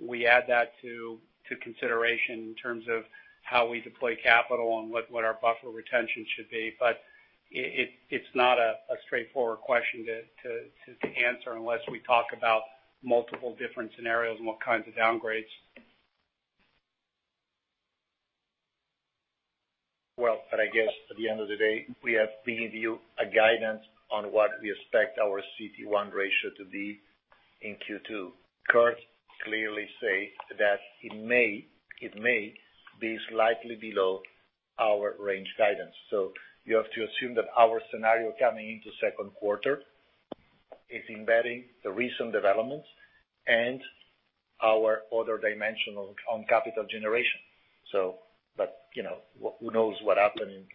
we add that to consideration in terms of how we deploy capital and what our buffer retention should be. It's not a straightforward question to answer unless we talk about multiple different scenarios and what kinds of downgrades. I guess at the end of the day, we have given you a guidance on what we expect our CET1 ratio to be in Q2. Kirt clearly say that it may be slightly below our range guidance. You have to assume that our scenario coming into second quarter is embedding the recent developments and our other dimension on capital generation. Who knows what happens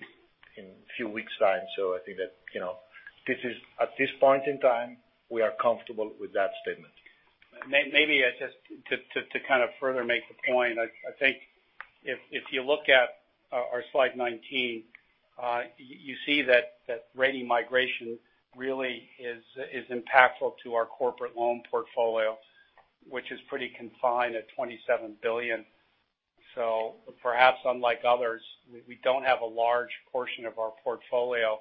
in few weeks' time. I think that at this point in time, we are comfortable with that statement. Maybe just to kind of further make the point, I think if you look at our slide 19, you see that rating migration really is impactful to our corporate loan portfolio, which is pretty confined at 27 billion. Perhaps unlike others, we don't have a large portion of our portfolio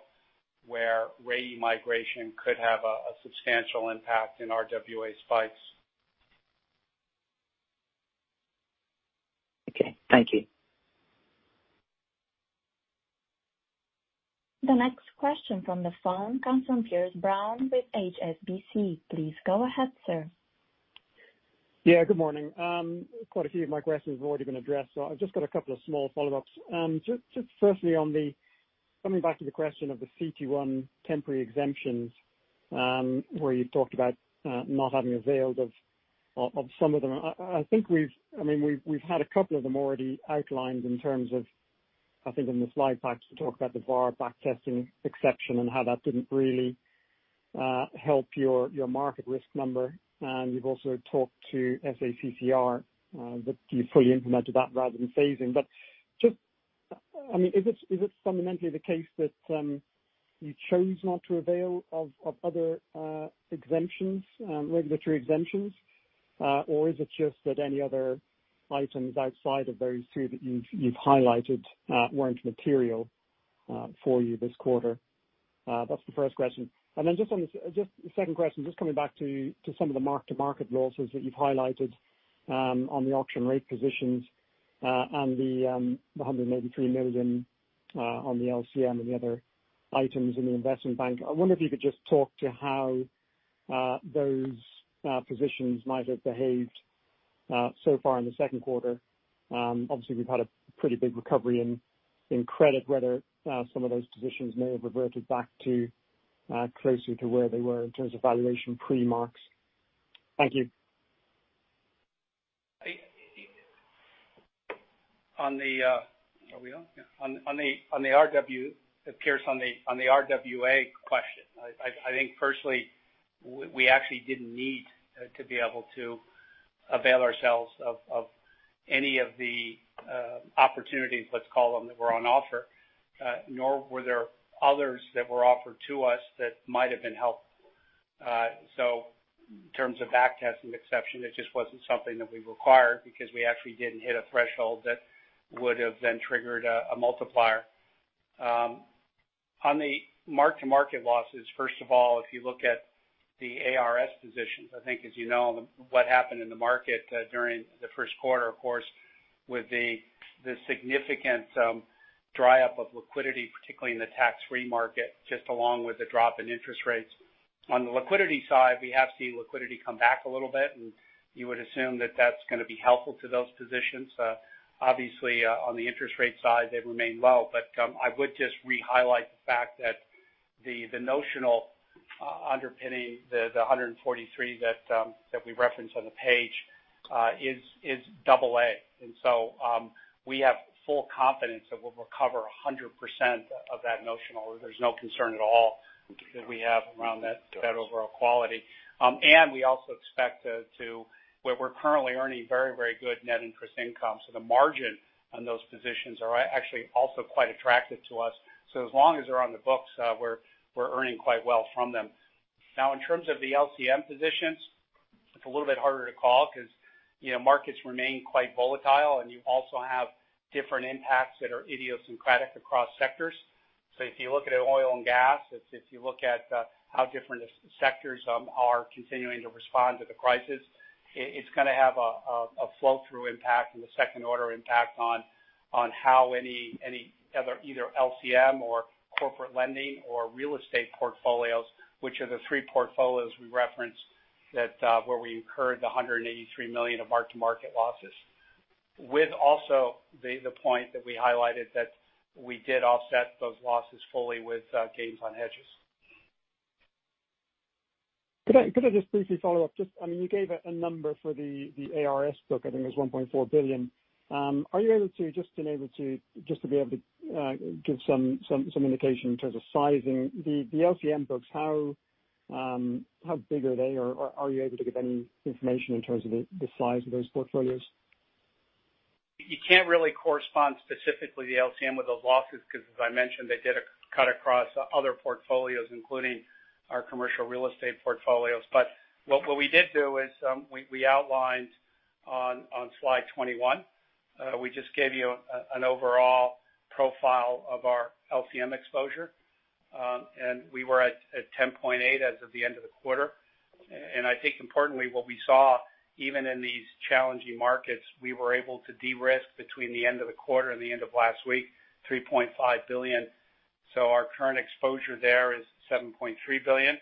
where rating migration could have a substantial impact in RWA spikes. Okay. Thank you. The next question from the phone comes from Piers Brown with HSBC. Please go ahead, sir. Yeah, good morning. Quite a few of my questions have already been addressed, so I've just got a couple of small follow-ups. Just firstly coming back to the question of the CET1 temporary exemptions, where you talked about not having availed of some of them. I think we've had a couple of them already outlined in terms of, I think in the slide packs, we talked about the VaR back testing exception and how that didn't really help your market risk number. You've also talked to SA-CCR, that you fully implemented that rather than phasing. Is it fundamentally the case that you chose not to avail of other regulatory exemptions? Is it just that any other items outside of those two that you've highlighted weren't material for you this quarter? That's the first question. Then the second question, just coming back to some of the mark-to-market losses that you've highlighted on the auction rate positions and the 183 million on the LCM and the other items in the Investment Bank. I wonder if you could just talk to how those positions might have behaved so far in the second quarter. Obviously, we've had a pretty big recovery in credit, whether some of those positions may have reverted back closely to where they were in terms of valuation pre-marks. Thank you. Are we on? Yeah. Piers, on the RWA question, I think personally, we actually didn't need to be able to avail ourselves of any of the opportunities, let's call them, that were on offer, nor were there others that were offered to us that might have been helpful. In terms of back testing exception, it just wasn't something that we required because we actually didn't hit a threshold that would have then triggered a multiplier. On the mark-to-market losses, first of all, if you look at the ARS positions, I think as you know, what happened in the market during the first quarter, of course, with the significant dry up of liquidity, particularly in the tax-free market, just along with the drop in interest rates. On the liquidity side, we have seen liquidity come back a little bit, and you would assume that that's going to be helpful to those positions. Obviously, on the interest rate side, they've remained low. I would just re-highlight the fact that the notional underpinning the 143 that we reference on the page is AA. We have full confidence that we'll recover 100% of that notional. There's no concern at all that we have around that overall quality. We also expect to where we're currently earning very, very good net interest income. The margin on those positions are actually also quite attractive to us. As long as they're on the books, we're earning quite well from them. In terms of the LCM positions, it's a little bit harder to call because markets remain quite volatile and you also have different impacts that are idiosyncratic across sectors. If you look at oil and gas, if you look at how different sectors are continuing to respond to the crisis, it's going to have a flow-through impact and the second order impact on how any other either LCM or corporate lending or real estate portfolios, which are the three portfolios we referenced where we incurred the 183 million of mark-to-market losses, with also the point that we highlighted that we did offset those losses fully with gains on hedges. Could I just briefly follow up? You gave a number for the ARS book, I think it was 1.4 billion. Are you able to just give some indication in terms of sizing the LCM books? How big are they? Are you able to give any information in terms of the size of those portfolios? You can't really correspond specifically the LCM with those losses because, as I mentioned, they did cut across other portfolios, including our commercial real estate portfolios. What we did do is we outlined on slide 21. We just gave you an overall profile of our LCM exposure. We were at 10.8 billion as of the end of the quarter. I think importantly, what we saw even in these challenging markets, we were able to de-risk between the end of the quarter and the end of last week, 3.5 billion. Our current exposure there is 7.3 billion,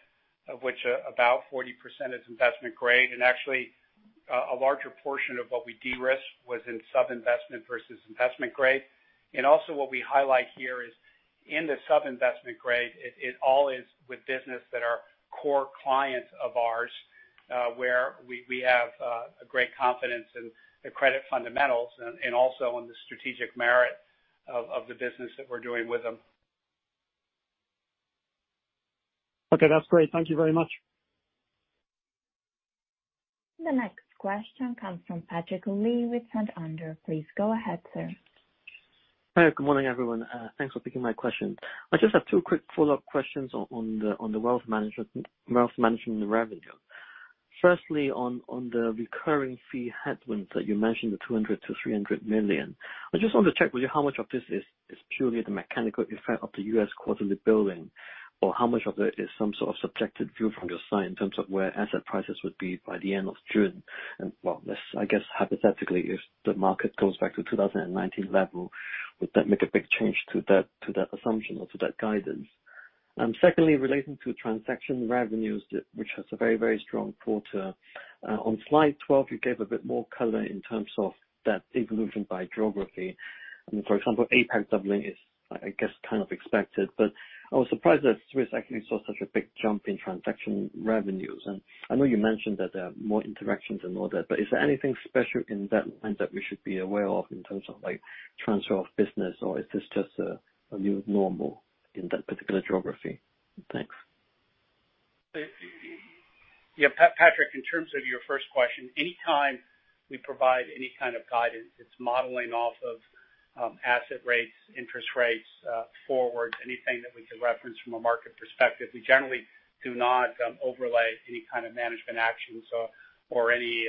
of which about 40% is investment grade. Actually, a larger portion of what we de-risk was in sub-investment versus investment grade. Also what we highlight here is in the sub-investment grade, it all is with business that are core clients of ours where we have a great confidence in the credit fundamentals and also in the strategic merit of the business that we're doing with them. Okay, that's great. Thank you very much. The next question comes from Patrick Lee with Santander. Please go ahead, sir. Hi. Good morning, everyone. Thanks for taking my question. I just have two quick follow-up questions on the wealth management revenue. Firstly, on the recurring fee headwinds that you mentioned the 200 million-300 million. I just want to check with you how much of this is purely the mechanical effect of the U.S. quarterly billing, or how much of it is some sort of subjective view from your side in terms of where asset prices would be by the end of June? Well, I guess hypothetically, if the market goes back to 2019 level, would that make a big change to that assumption or to that guidance? Secondly, relating to transaction revenues, which has a very strong quarter. On slide 12, you gave a bit more color in terms of that evolution by geography. For example, APAC doubling is, I guess, kind of expected, but I was surprised that Swiss actually saw such a big jump in transaction revenues. I know you mentioned that there are more interactions and all that, but is there anything special in that end that we should be aware of in terms of transfer of business, or is this just a new normal in that particular geography? Thanks. Patrick, in terms of your first question, any time we provide any kind of guidance, it's modeling off of asset rates, interest rates, forwards, anything that we can reference from a market perspective. We generally do not overlay any kind of management actions or any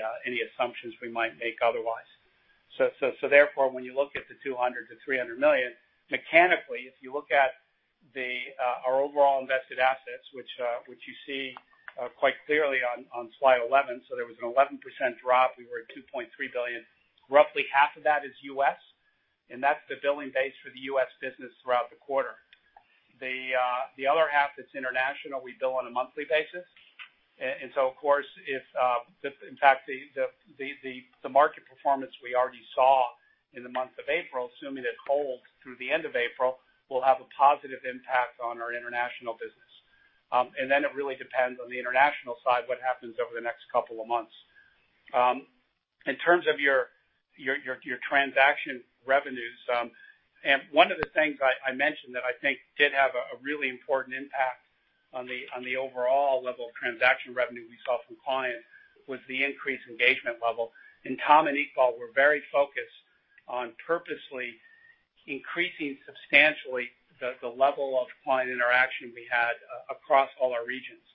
assumptions we might make otherwise. Therefore, when you look at the $200 million-$300 million, mechanically, if you look at our overall invested assets, which you see quite clearly on slide 11, there was an 11% drop. We were at $2.3 billion. Roughly half of that is U.S., and that's the billing base for the U.S. business throughout the quarter. The other half that's international, we bill on a monthly basis. Of course, if in fact the market performance we already saw in the month of April, assuming it holds through the end of April, will have a positive impact on our international business. It really depends on the international side, what happens over the next couple of months. In terms of your transaction revenues. One of the things I mentioned that I think did have a really important impact on the overall level of transaction revenue we saw from clients was the increased engagement level, and Tom and Iqbal were very focused on purposely increasing substantially the level of client interaction we had across all our regions.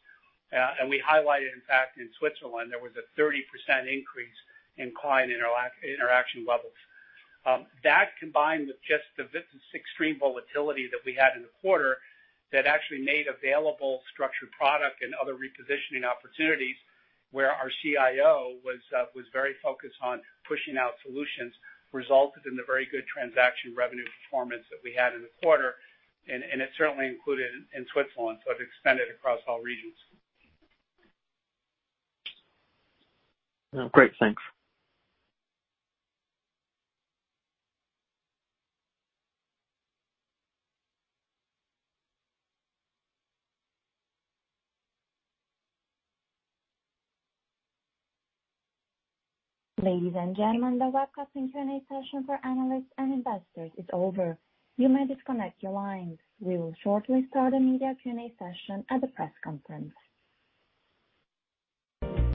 We highlighted, in fact, in Switzerland, there was a 30% increase in client interaction levels. That combined with just the extreme volatility that we had in the quarter that actually made available structured product and other repositioning opportunities where our CIO was very focused on pushing out solutions, resulted in the very good transaction revenue performance that we had in the quarter. It certainly included in Switzerland, so it extended across all regions. Great. Thanks. Ladies and gentlemen, the webcast and Q&A session for analysts and investors is over. You may disconnect your lines. We will shortly start a media Q&A session at the press conference.